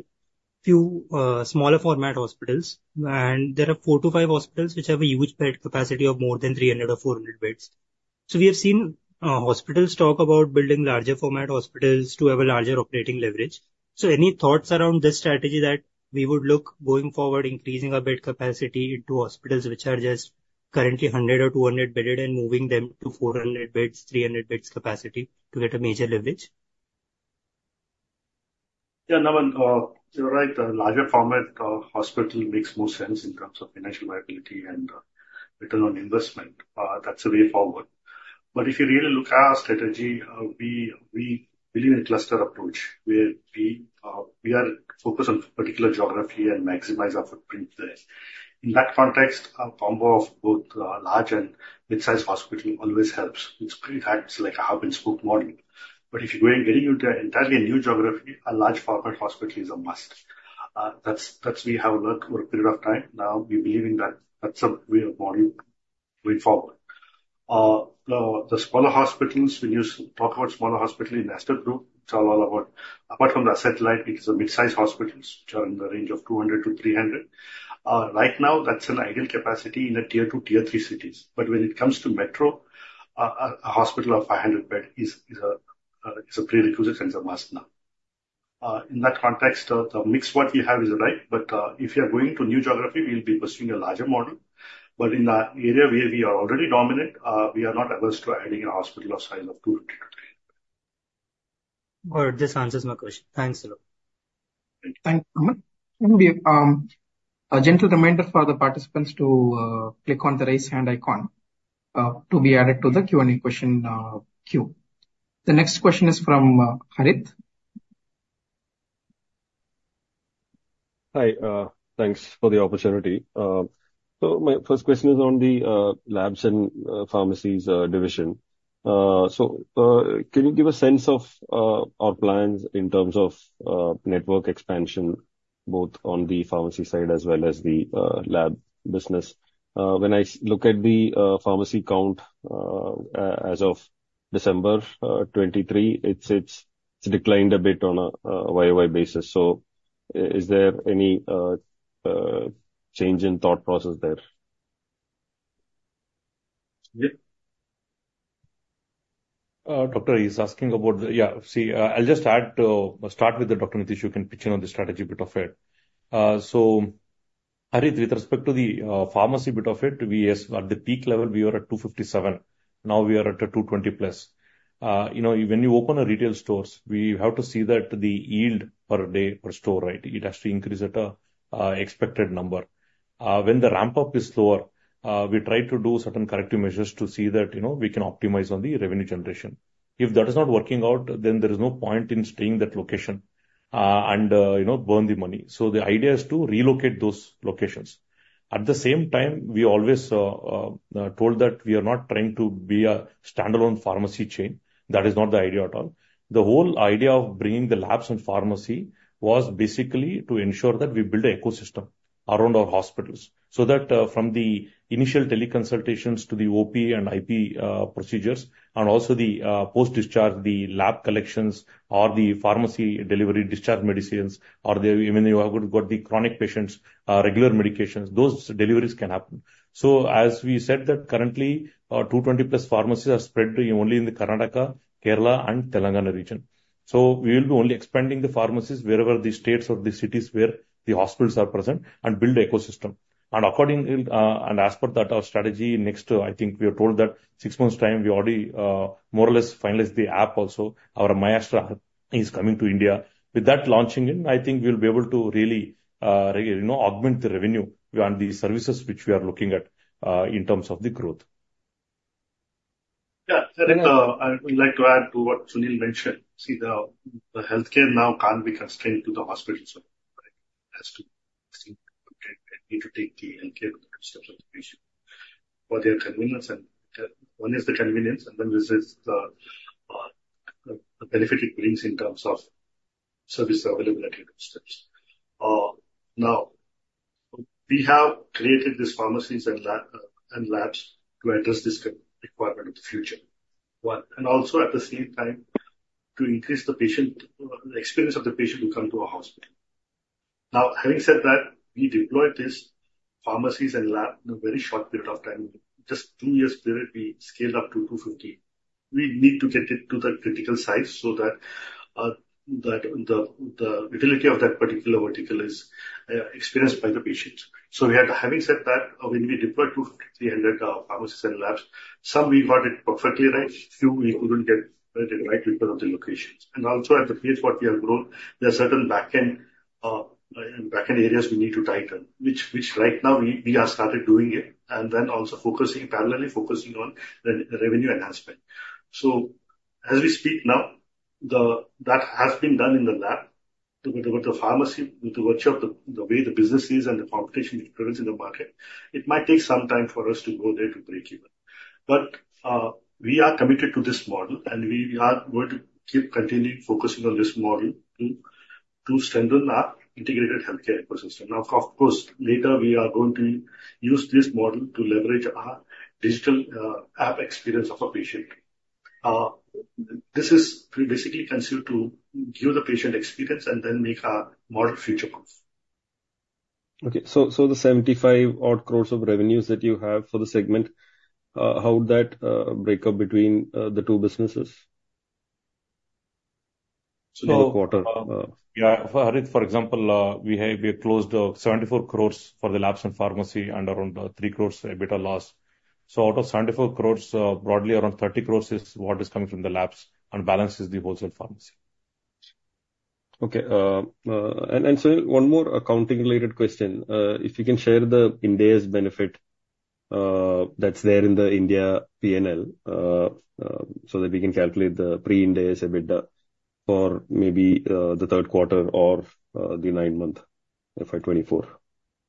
few smaller format hospitals. There are four to five hospitals which have a huge bed capacity of more than 300 or 400 beds. We have seen hospitals talk about building larger format hospitals to have a larger operating leverage. Any thoughts around this strategy that we would look going forward, increasing our bed capacity into hospitals which are just currently 100 or 200-bedded and moving them to 400 beds, 300 beds capacity to get a major leverage? Yeah, Naman, you're right. Larger format hospital makes more sense in terms of financial viability and return on investment. That's a way forward. But if you really look at our strategy, we believe in a cluster approach where we are focused on particular geography and maximize our footprint there. In that context, a combo of both large and mid-sized hospital always helps. It's like a hub-and-spoke model. But if you're getting into entirely a new geography, a large format hospital is a must. That's what we have learned over a period of time. Now, we believe in that. That's a way of modeling going forward. The smaller hospitals, when you talk about smaller hospital in Aster Group, it's all about apart from the satellite, it is mid-sized hospitals which are in the range of 200-300. Right now, that's an ideal capacity in Tier 2, Tier 3 cities. But when it comes to metro, a hospital of 500 beds is a prerequisite and it's a must now. In that context, the mixed what we have is right. But if you're going to new geography, we'll be pursuing a larger model. But in the area where we are already dominant, we are not averse to adding a hospital of size of 200-300. Got it. This answers my question. Thanks, Sunil. Thank you. A gentle reminder for the participants to click on the raise hand icon to be added to the Q&A question queue. The next question is from Harith. Hi. Thanks for the opportunity. My first question is on the labs and pharmacies division. Can you give a sense of our plans in terms of network expansion, both on the pharmacy side as well as the lab business? When I look at the pharmacy count as of December 2023, it's declined a bit on a year-over-year basis. Is there any change in thought process there? Yep. Doctor is asking about the yeah. See, I'll just start with Dr. Nitish. You can pitch in on the strategy bit of it. So, Harith, with respect to the pharmacy bit of it, at the peak level, we were at 257. Now, we are at 220-plus. When you open retail stores, we have to see that the yield per day per store, right? It has to increase at an expected number. When the ramp-up is slower, we try to do certain corrective measures to see that we can optimize on the revenue generation. If that is not working out, then there is no point in staying in that location and burn the money. So the idea is to relocate those locations. At the same time, we always told that we are not trying to be a standalone pharmacy chain. That is not the idea at all. The whole idea of bringing the labs and pharmacy was basically to ensure that we build an ecosystem around our hospitals so that from the initial teleconsultations to the OP and IP procedures and also the post-discharge, the lab collections or the pharmacy delivery discharge medicines or the, I mean, you have got the chronic patients, regular medications, those deliveries can happen. So as we said that currently, 220+ pharmacies are spread only in Karnataka, Kerala, and Telangana region. So we will be only expanding the pharmacies wherever the states or the cities where the hospitals are present and build an ecosystem. And as per that strategy, next, I think we are told that in six months' time, we already more or less finalized the app also. Our myAster is coming to India. With that launching in, I think we will be able to really augment the revenue and the services which we are looking at in terms of the growth. Yeah. I would like to add to what Sunil mentioned. See, the healthcare now can't be constrained to the hospitals alone. It has to need to take the healthcare steps of the patient for their convenience. And one is the convenience, and then this is the benefit it brings in terms of service availability and steps. Now, we have created these pharmacies and labs to address this requirement of the future. One. And also, at the same time, to increase the experience of the patient who comes to our hospital. Now, having said that, we deployed these pharmacies and labs in a very short period of time. Just a two-year period, we scaled up to 250. We need to get it to the critical size so that the utility of that particular vertical is experienced by the patients. So having said that, when we deployed 250, 300 pharmacies and labs, some we got it perfectly right. Few we couldn't get it right because of the locations. And also, at the phase what we have grown, there are certain backend areas we need to tighten, which right now, we have started doing it and then also parallelly focusing on revenue enhancement. So as we speak now, that has been done in the lab. With the pharmacy, with the way the business is and the competition which prevails in the market, it might take some time for us to go there to break even. But we are committed to this model, and we are going to keep continuing focusing on this model to strengthen our integrated healthcare ecosystem. Now, of course, later, we are going to use this model to leverage our digital app experience of a patient. This is basically conceived to give the patient experience and then make our model future-proof. Okay. The 75-odd crores of revenues that you have for the segment, how would that break up between the two businesses? They're a quarter. Yeah. Harith, for example, we closed 74 crore for the labs and pharmacy and around 3 crore a bit of loss. So out of 74 crore, broadly, around 30 crore is what is coming from the labs and balances the wholesale pharmacy. Okay. And Sunil, one more accounting-related question. If you can share the Ind AS benefit that's there in the India P&L so that we can calculate the pre-Ind AS EBITDA for maybe the third quarter or the ninth month FY 2024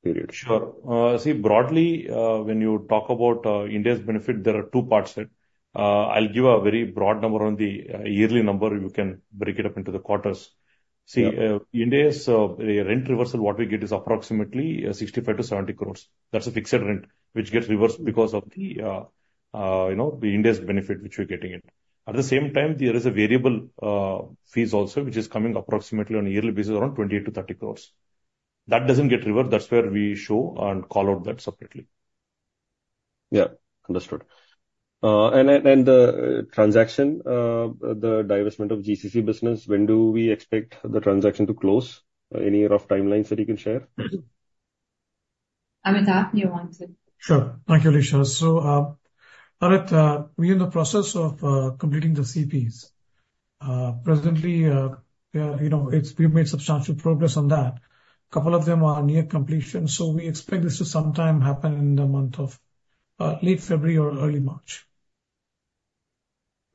period. Sure. See, broadly, when you talk about Ind AS benefit, there are two parts there. I'll give a very broad number on the yearly number. You can break it up into the quarters. See, Ind AS, the rent reversal what we get is approximately 65-70 crores. That's a fixed rent which gets reversed because of the Ind AS benefit which we're getting it. At the same time, there is a variable fees also which is coming approximately on a yearly basis around 28-30 crores. That doesn't get reversed. That's where we show and call out that separately. Yeah. Understood. And the transaction, the divestment of GCC business, when do we expect the transaction to close? Any rough timelines that you can share? Amitabh, you want to. Sure. Thank you, Alisha. So, Harith, we're in the process of completing the CPs. Presently, we've made substantial progress on that. A couple of them are near completion. We expect this to sometime happen in the month of late February or early March.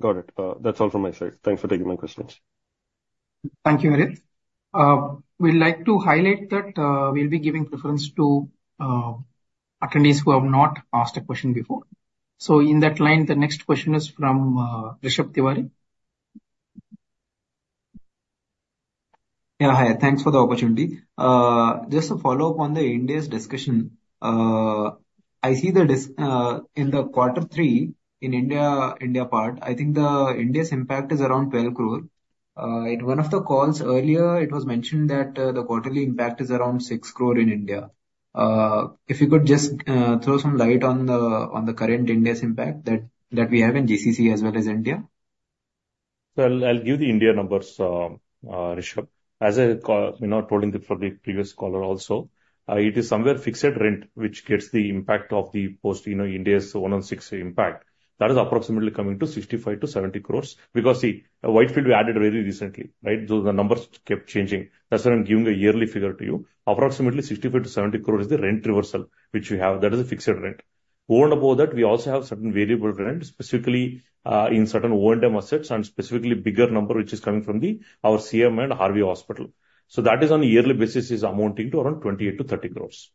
Got it. That's all from my side. Thanks for taking my questions. Thank you, Harith. We'd like to highlight that we'll be giving preference to attendees who have not asked a question before. So in that line, the next question is from Rishabh Tiwari. Yeah. Hi. Thanks for the opportunity. Just to follow up on the Ind AS discussion, I see that in the quarter three in India part, I think the Ind AS impact is around 12 crore. In one of the calls earlier, it was mentioned that the quarterly impact is around 6 crore in India. If you could just throw some light on the current Ind AS impact that we have in GCC as well as India. So I'll give the India numbers, Rishabh. As I told the previous caller also, it is somewhere fixed rent which gets the impact of the post-Ind AS 116 impact. That is approximately coming to 65-70 crores because, see, Whitefield we added very recently, right? So the numbers kept changing. That's why I'm giving a yearly figure to you. Approximately 65-70 crores is the rent reversal which we have. That is a fixed rent. Over and above that, we also have certain variable rent, specifically in certain O&M assets and specifically a bigger number which is coming from our CMI and RV Hospital. So that is on a yearly basis amounting to around 28-30 crores.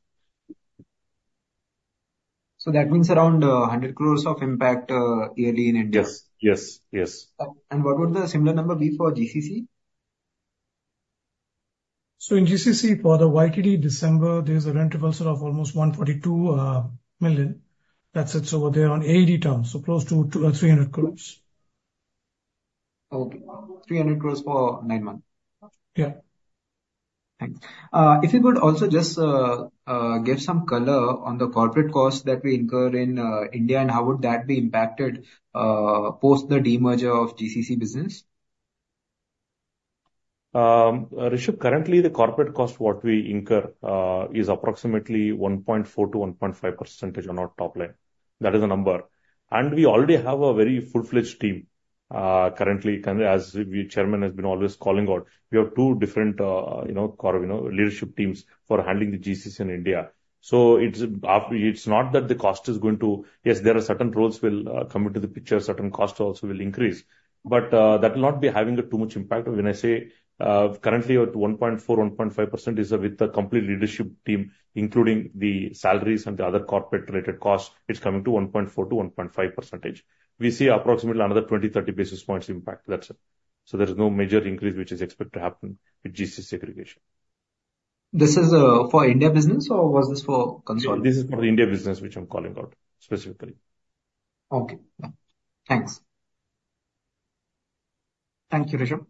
That means around 100 crore of impact yearly in India? Yes. Yes. Yes. What would the similar number be for GCC? So in GCC, for the YTD December, there's a rent reversal of almost 142 million. That's it. So we're there on AED terms. So close to 300 crores. Okay. 300 crore for nine months? Yeah. Thanks. If you could also just give some color on the corporate cost that we incur in India, and how would that be impacted post the demerger of GCC business? Rishabh, currently, the corporate cost what we incur is approximately 1.4%-1.5% on our top line. That is a number. And we already have a very full-fledged team currently, as the chairman has been always calling out. We have two different leadership teams for handling the GCC in India. So it's not that the cost is going to yes, there are certain roles that will come into the picture. Certain costs also will increase. But that will not be having too much impact. When I say currently, 1.4%-1.5% is with the complete leadership team, including the salaries and the other corporate-related costs. It's coming to 1.4%-1.5%. We see approximately another 20-30 basis points impact. That's it. So there is no major increase which is expected to happen with GCC segregation. This is for India business, or was this for consortium? This is for the India business which I'm calling out specifically. Okay. Thanks. Thank you, Rishabh.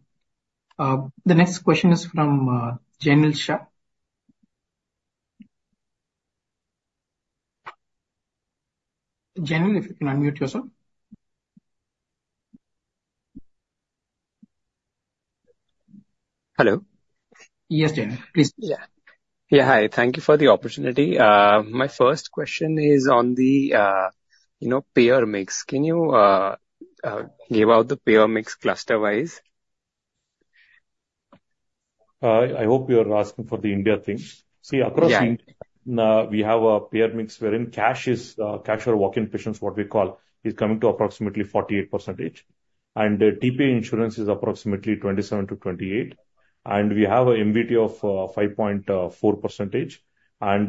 The next question is from Jainil Shah. Jainil, if you can unmute yourself. Hello? Yes, Jainil. Please. Yeah. Hi. Thank you for the opportunity. My first question is on the payer mix. Can you give out the payer mix cluster-wise? I hope you are asking for the India thing. See, across India, we have a payer mix wherein cash or walk-in patients, what we call, is coming to approximately 48%. And TPA insurance is approximately 27%-28%. And we have an MVT of 5.4%. And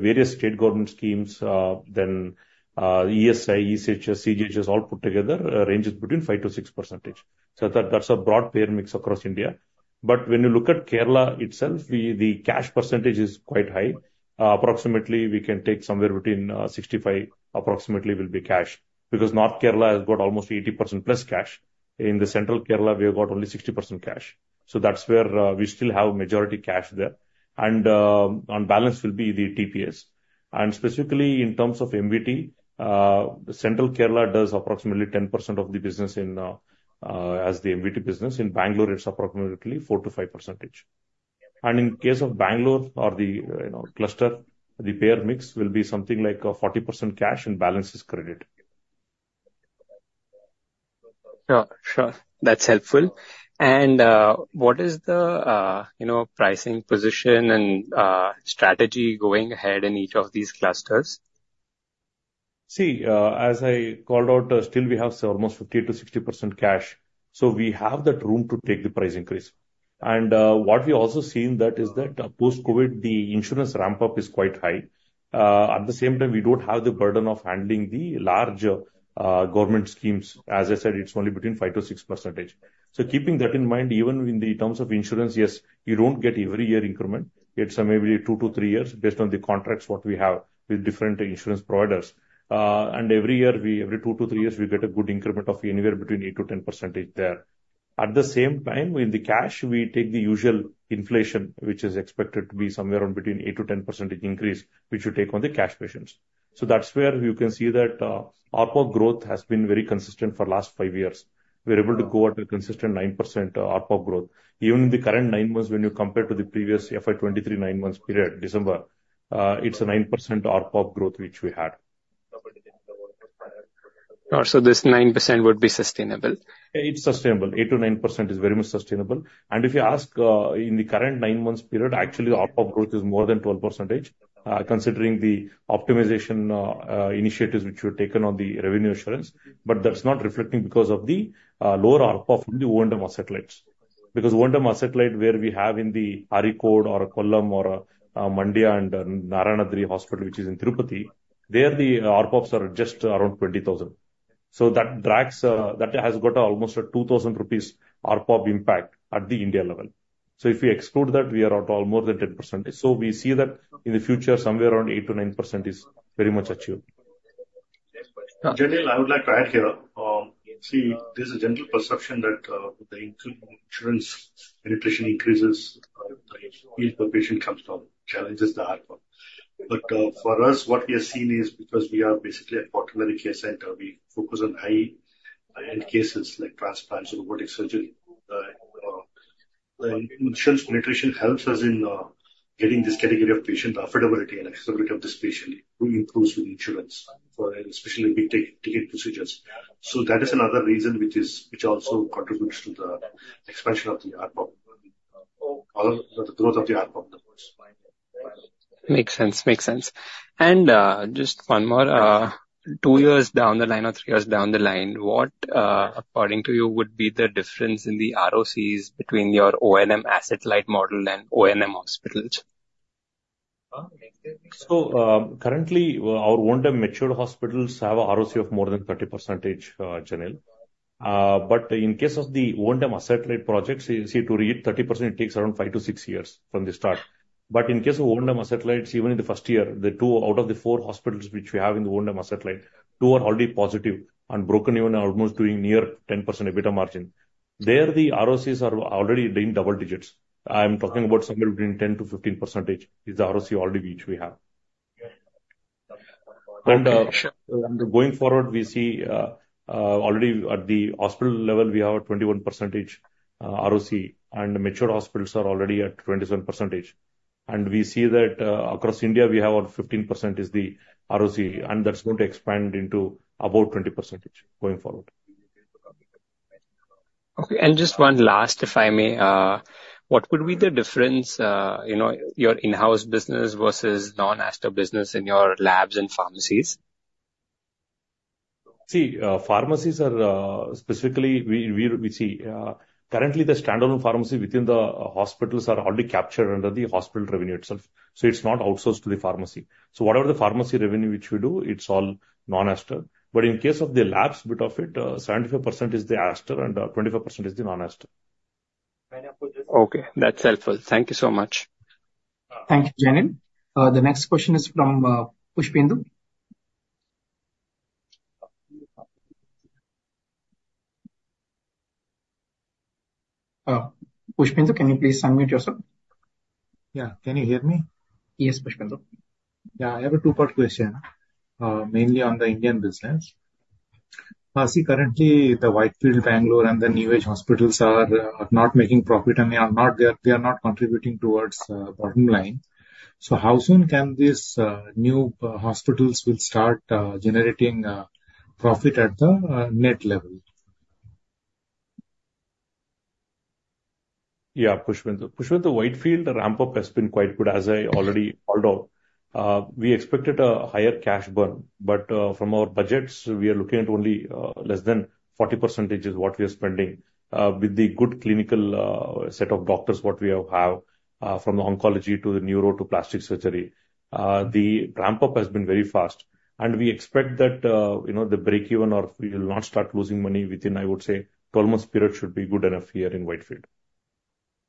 various state government schemes, then ESI, ECHS, CGHS, all put together, range is between 5%-6%. So that's a broad payer mix across India. But when you look at Kerala itself, the cash percentage is quite high. Approximately, we can take somewhere between 65%. Approximately, will be cash because North Kerala has got almost 80%+ cash. In Central Kerala, we have got only 60% cash. So that's where we still have majority cash there. And on balance, will be the TPAs. And specifically, in terms of MVT, Central Kerala does approximately 10% of the business as the MVT business. In Bangalore, it's approximately 4%-5%. In case of Bangalore or the cluster, the payer mix will be something like 40% cash, and balance is credit. Sure. Sure. That's helpful. And what is the pricing position and strategy going ahead in each of these clusters? See, as I called out, still, we have almost 50%-60% cash. So we have that room to take the price increase. And what we also see in that is that post-COVID, the insurance ramp-up is quite high. At the same time, we don't have the burden of handling the large government schemes. As I said, it's only between 5%-6%. So keeping that in mind, even in terms of insurance, yes, you don't get every year increment. It's maybe two to three years based on the contracts what we have with different insurance providers. And every year, every two to three years, we get a good increment of anywhere between 8%-10% there. At the same time, in the cash, we take the usual inflation which is expected to be somewhere between 8%-10% increase which you take on the cash patients. So that's where you can see that RPOB growth has been very consistent for the last five years. We're able to go at a consistent 9% RPOB growth. Even in the current nine months, when you compare to the previous FY 2023 nine-month period, December, it's a 9% RPOB growth which we had. This 9% would be sustainable? It's sustainable. 8%-9% is very much sustainable. And if you ask, in the current nine-month period, actually, RPOB growth is more than 12% considering the optimization initiatives which were taken on the revenue assurance. But that's not reflecting because of the lower RPOB from the O&M asset-light. Because O&M asset-light where we have in the Areekode or a Kollam or a Mandya and Narayanadri Hospital which is in Tirupati, there, the RPOBs are just around 20,000. So that has got almost an 2,000 rupees-RPOB impact at the India level. So if we exclude that, we are at almost 10%. So we see that in the future, somewhere around 8%-9% is very much achieved. Jainil, I would like to add here. See, there's a general perception that the insurance penetration increases per patient comes down, challenges the RPOB. But for us, what we have seen is because we are basically a quaternary care center, we focus on high-end cases like transplants, robotic surgery. The insurance penetration helps us in getting this category of patient, the affordability and accessibility of this patient improves with insurance, especially big-ticket procedures. So that is another reason which also contributes to the expansion of the RPOB, the growth of the RPOB numbers. Makes sense. Makes sense. And just one more. Two years down the line or three years down the line, according to you, what would be the difference in the ROCs between your O&M asset-light model and O&M hospitals? So currently, our O&M matured hospitals have an ROC of more than 30%, Jainil. But in case of the O&M asset-light projects, see, to reach 30%, it takes around five to six years from the start. But in case of O&M asset-lights, even in the first year, out of the four hospitals which we have in the O&M asset-light, two are already positive and broken even almost doing near 10% EBITDA margin. There, the ROCs are already doing double digits. I'm talking about somewhere between 10%-15% is the ROC already which we have. And going forward, we see already at the hospital level, we have a 21% ROC, and matured hospitals are already at 27%. And we see that across India, we have around 15% is the ROC, and that's going to expand into about 20% going forward. Okay. And just one last, if I may. What would be the difference, your in-house business versus non-Aster business in your labs and pharmacies? See, pharmacies are specifically we see, currently, the standalone pharmacies within the hospitals are already captured under the hospital revenue itself. So it's not outsourced to the pharmacy. So whatever the pharmacy revenue which we do, it's all non-Aster. But in case of the labs bit of it, 75% is the Aster, and 25% is the non-Aster. Okay. That's helpful. Thank you so much. Thank you, Jainil. The next question is from Pushpindu. Pushpindu, can you please unmute yourself? Yeah. Can you hear me? Yes, Pushpindu. Yeah. I have a two-part question, mainly on the Indian business. See, currently, the Whitefield, Bangalore, and the New Age hospitals are not making profit. I mean, they are not contributing towards the bottom line. So how soon can these new hospitals start generating profit at the net level? Yeah, Pushpindu. Pushpindu, Whitefield ramp-up has been quite good, as I already called out. We expected a higher cash burn. But from our budgets, we are looking at only less than 40% is what we are spending with the good clinical set of doctors what we have from the oncology to the neuro to plastic surgery. The ramp-up has been very fast. And we expect that the break-even or we will not start losing money within, I would say, 12 months period should be good enough here in Whitefield.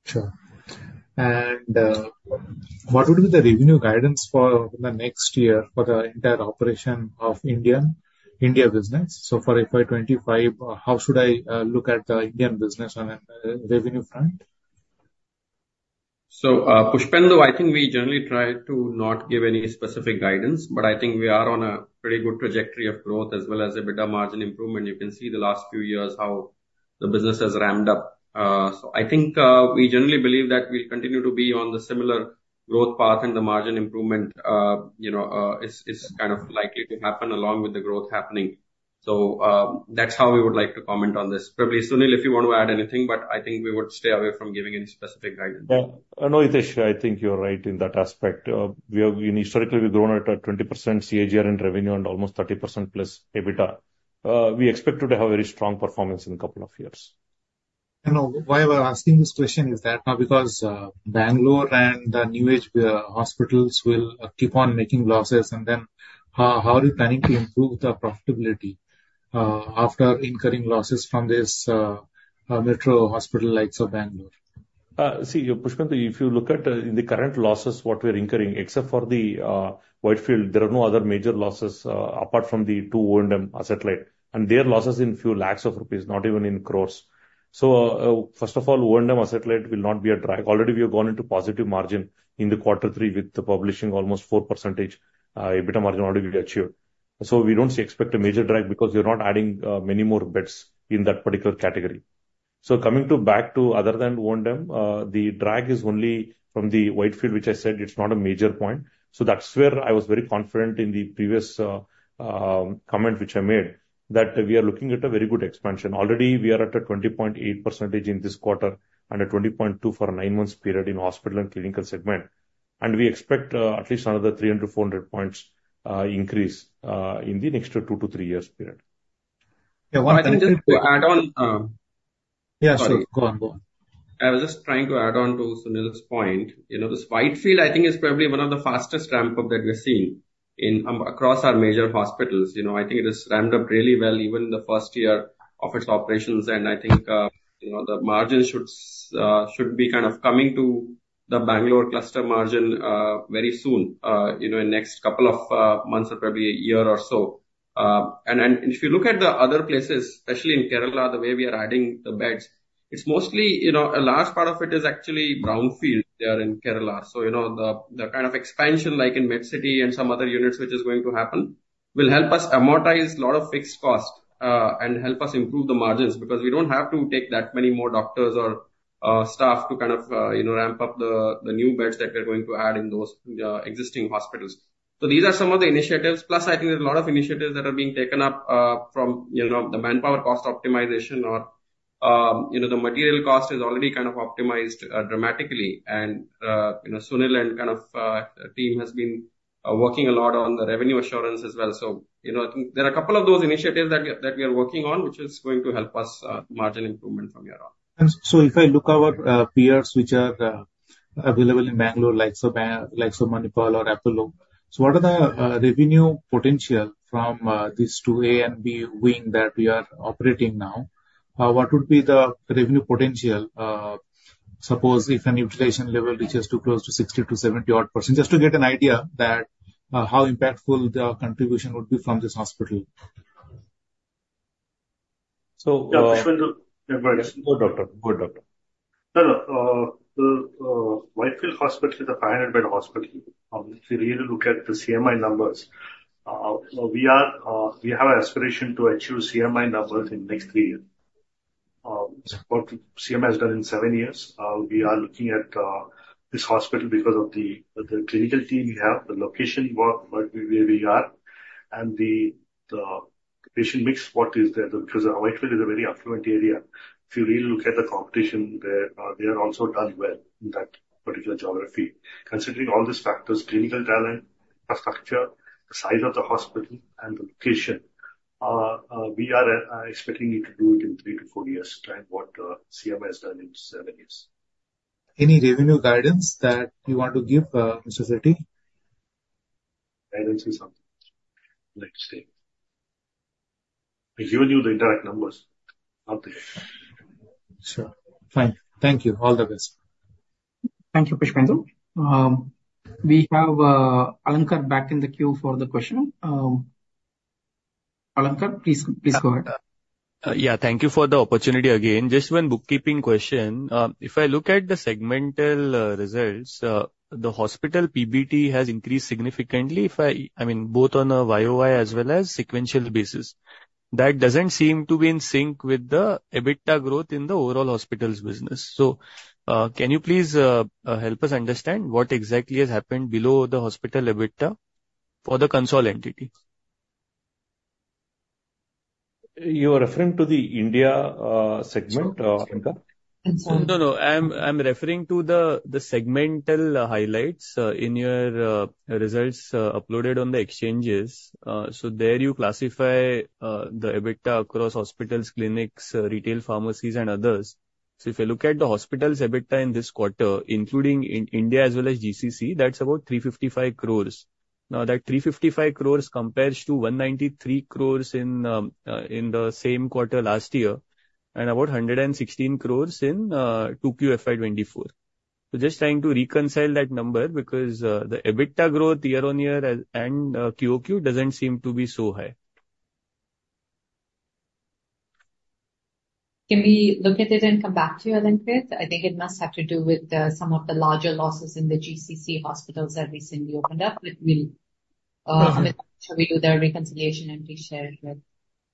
Sure. What would be the revenue guidance for the next year for the entire operation of India business? So for FY 2025, how should I look at the Indian business on a revenue front? So Pushpindu, I think we generally try to not give any specific guidance. But I think we are on a pretty good trajectory of growth as well as EBITDA margin improvement. You can see the last few years how the business has ramped up. So I think we generally believe that we'll continue to be on the similar growth path, and the margin improvement is kind of likely to happen along with the growth happening. So that's how we would like to comment on this. Probably, Sunil, if you want to add anything, but I think we would stay away from giving any specific guidance. Yeah. No, Hitesh, I think you're right in that aspect. Historically, we've grown at 20% CAGR in revenue and almost 30%+ EBITDA. We expect to have a very strong performance in a couple of years. Why am I asking this question? Is that because Bangalore and the new age hospitals will keep on making losses? Then how are you planning to improve the profitability after incurring losses from these metro hospitals like Bangalore? See, Pushpindu, if you look at the current losses what we are incurring, except for the Whitefield, there are no other major losses apart from the two O&M asset-light. Their losses are in few lakhs of INR, not even in crores. So first of all, O&M asset-light will not be a drag. Already, we have gone into positive margin in the quarter three with positive almost 4% EBITDA margin already achieved. So we don't expect a major drag because we are not adding many more beds in that particular category. So coming back to other than O&M, the drag is only from the Whitefield, which I said, it's not a major point. So that's where I was very confident in the previous comment which I made that we are looking at a very good expansion. Already, we are at a 20.8% in this quarter and a 20.2% for a nine-month period in hospital and clinics segment. We expect at least another 300-400 points increase in the next two to three years' period. Yeah. I think just to add on. Yeah. Sorry. Go on. Go on. I was just trying to add on to Sunil's point. This Whitefield, I think, is probably one of the fastest ramp-ups that we're seeing across our major hospitals. I think it has ramped up really well even in the first year of its operations. And I think the margins should be kind of coming to the Bangalore cluster margin very soon, in the next couple of months or probably a year or so. And if you look at the other places, especially in Kerala, the way we are adding the beds, it's mostly a large part of it is actually Brownfield there in Kerala. So the kind of expansion like in Medcity and some other units which is going to happen will help us amortize a lot of fixed cost and help us improve the margins because we don't have to take that many more doctors or staff to kind of ramp up the new beds that we're going to add in those existing hospitals. So these are some of the initiatives. Plus, I think there's a lot of initiatives that are being taken up from the manpower cost optimization or the material cost is already kind of optimized dramatically. And Sunil and kind of team has been working a lot on the revenue assurance as well. So I think there are a couple of those initiatives that we are working on which is going to help us margin improvement from here on. And so if I look at our peers which are available in Bangalore like Manipal or Apollo, so what are the revenue potential from these 2 A and B wings that we are operating now? What would be the revenue potential, suppose if a utilization level reaches too close to 60%-70% odd, just to get an idea how impactful the contribution would be from this hospital? Yeah, Pushpindu. Yeah. Good, doctor. Good, doctor. No, no. The Whitefield Hospital is a 500-bed hospital. If you really look at the CMI numbers, we have an aspiration to achieve CMI numbers in the next three years. What CMI has done in seven years, we are looking at this hospital because of the clinical team we have, the location where we are, and the patient mix what is there. Because Whitefield is a very affluent area. If you really look at the competition there, they are also done well in that particular geography. Considering all these factors, clinical talent, infrastructure, the size of the hospital, and the location, we are expecting to do it in three to four years and what CMI has done in seven years. Any revenue guidance that you want to give, Mr. Shetty? Guidance is something. I'd like to stay. I've given you the exact numbers, aren't they? Sure. Fine. Thank you. All the best. Thank you, Pushpindu. We have Alankar back in the queue for the question. Alankar, please go ahead. Yeah. Thank you for the opportunity again. Just one bookkeeping question. If I look at the segmental results, the hospital PBT has increased significantly, I mean, both on a YoY as well as sequential basis. That doesn't seem to be in sync with the EBITDA growth in the overall hospitals business. So can you please help us understand what exactly has happened below the hospital EBITDA for the consolidated entity? You're referring to the India segment, Alankar? No, no. I'm referring to the segmental highlights in your results uploaded on the exchanges. So there, you classify the EBITDA across hospitals, clinics, retail pharmacies, and others. So if I look at the hospitals' EBITDA in this quarter, including India as well as GCC, that's about 355 crores. Now, that 355 crores compares to 193 crores in the same quarter last year and about 116 crores in 2Q FY 2024. So just trying to reconcile that number because the EBITDA growth year-over-year and QoQ doesn't seem to be so high. Can we look at it and come back to you, Alankar? I think it must have to do with some of the larger losses in the GCC hospitals that recently opened up. But we'll have to make sure we do the reconciliation and reshare it with.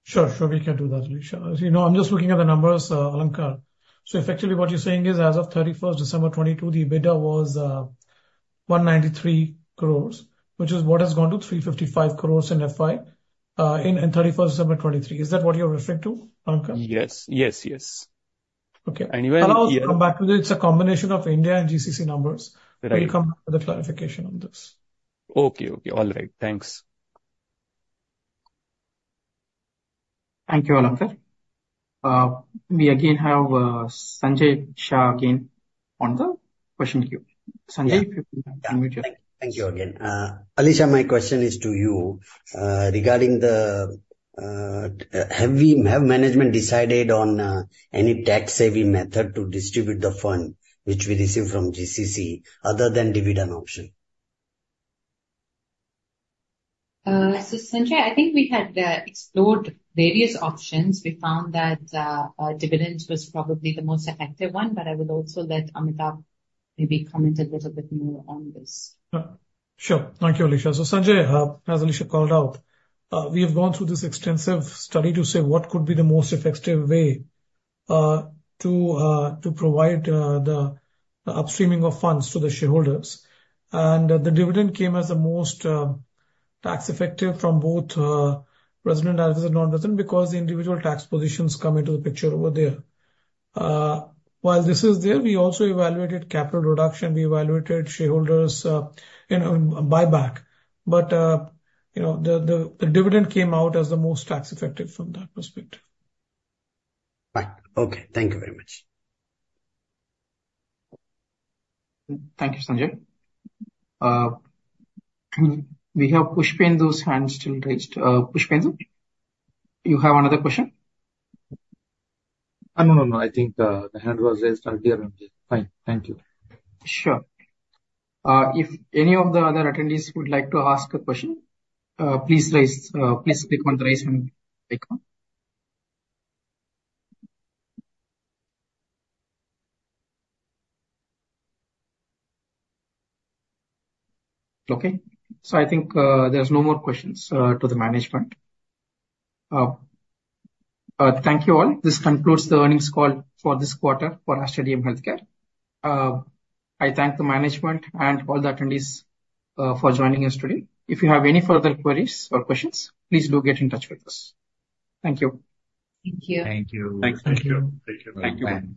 Sure. Sure. We can do that, Alisha. I'm just looking at the numbers, Alankar. So effectively, what you're saying is, as of 31st December 2022, the EBITDA was 193 crores, which is what has gone to 355 crores in FY on 31st December 2023. Is that what you're referring to, Alankar? Yes. Yes. Yes. And even if. Allow us to come back to it. It's a combination of India and GCC numbers. We'll come back with a clarification on this. Okay. Okay. All right. Thanks. Thank you, Alankar. We again have Sanjay Shah again on the question queue. Sanjay, if you can unmute yourself. Thank you again. Alisha, my question is to you regarding the have management decided on any tax-saving method to distribute the fund which we receive from GCC other than dividend option? So Sanjay, I think we had explored various options. We found that dividends was probably the most effective one. But I will also let Amitabh maybe comment a little bit more on this. Sure. Thank you, Alisha. So Sanjay, as Alisha called out, we have gone through this extensive study to say what could be the most effective way to provide the upstreaming of funds to the shareholders. And the dividend came as the most tax-effective from both resident and non-resident because the individual tax positions come into the picture over there. While this is there, we also evaluated capital reduction. We evaluated shareholders' buyback. But the dividend came out as the most tax-effective from that perspective. Right. Okay. Thank you very much. Thank you, Sanjay. We have Pushpindu's hand still raised. Pushpindu, you have another question? No, no, no. I think the hand was raised earlier. Fine. Thank you. Sure. If any of the other attendees would like to ask a question, please click on the raise hand icon. Okay. So I think there's no more questions to the management. Thank you all. This concludes the earnings call for this quarter for Aster DM Healthcare. I thank the management and all the attendees for joining us today. If you have any further queries or questions, please do get in touch with us. Thank you. Thank you. Thank you. Thanks. Thank you. Thank you.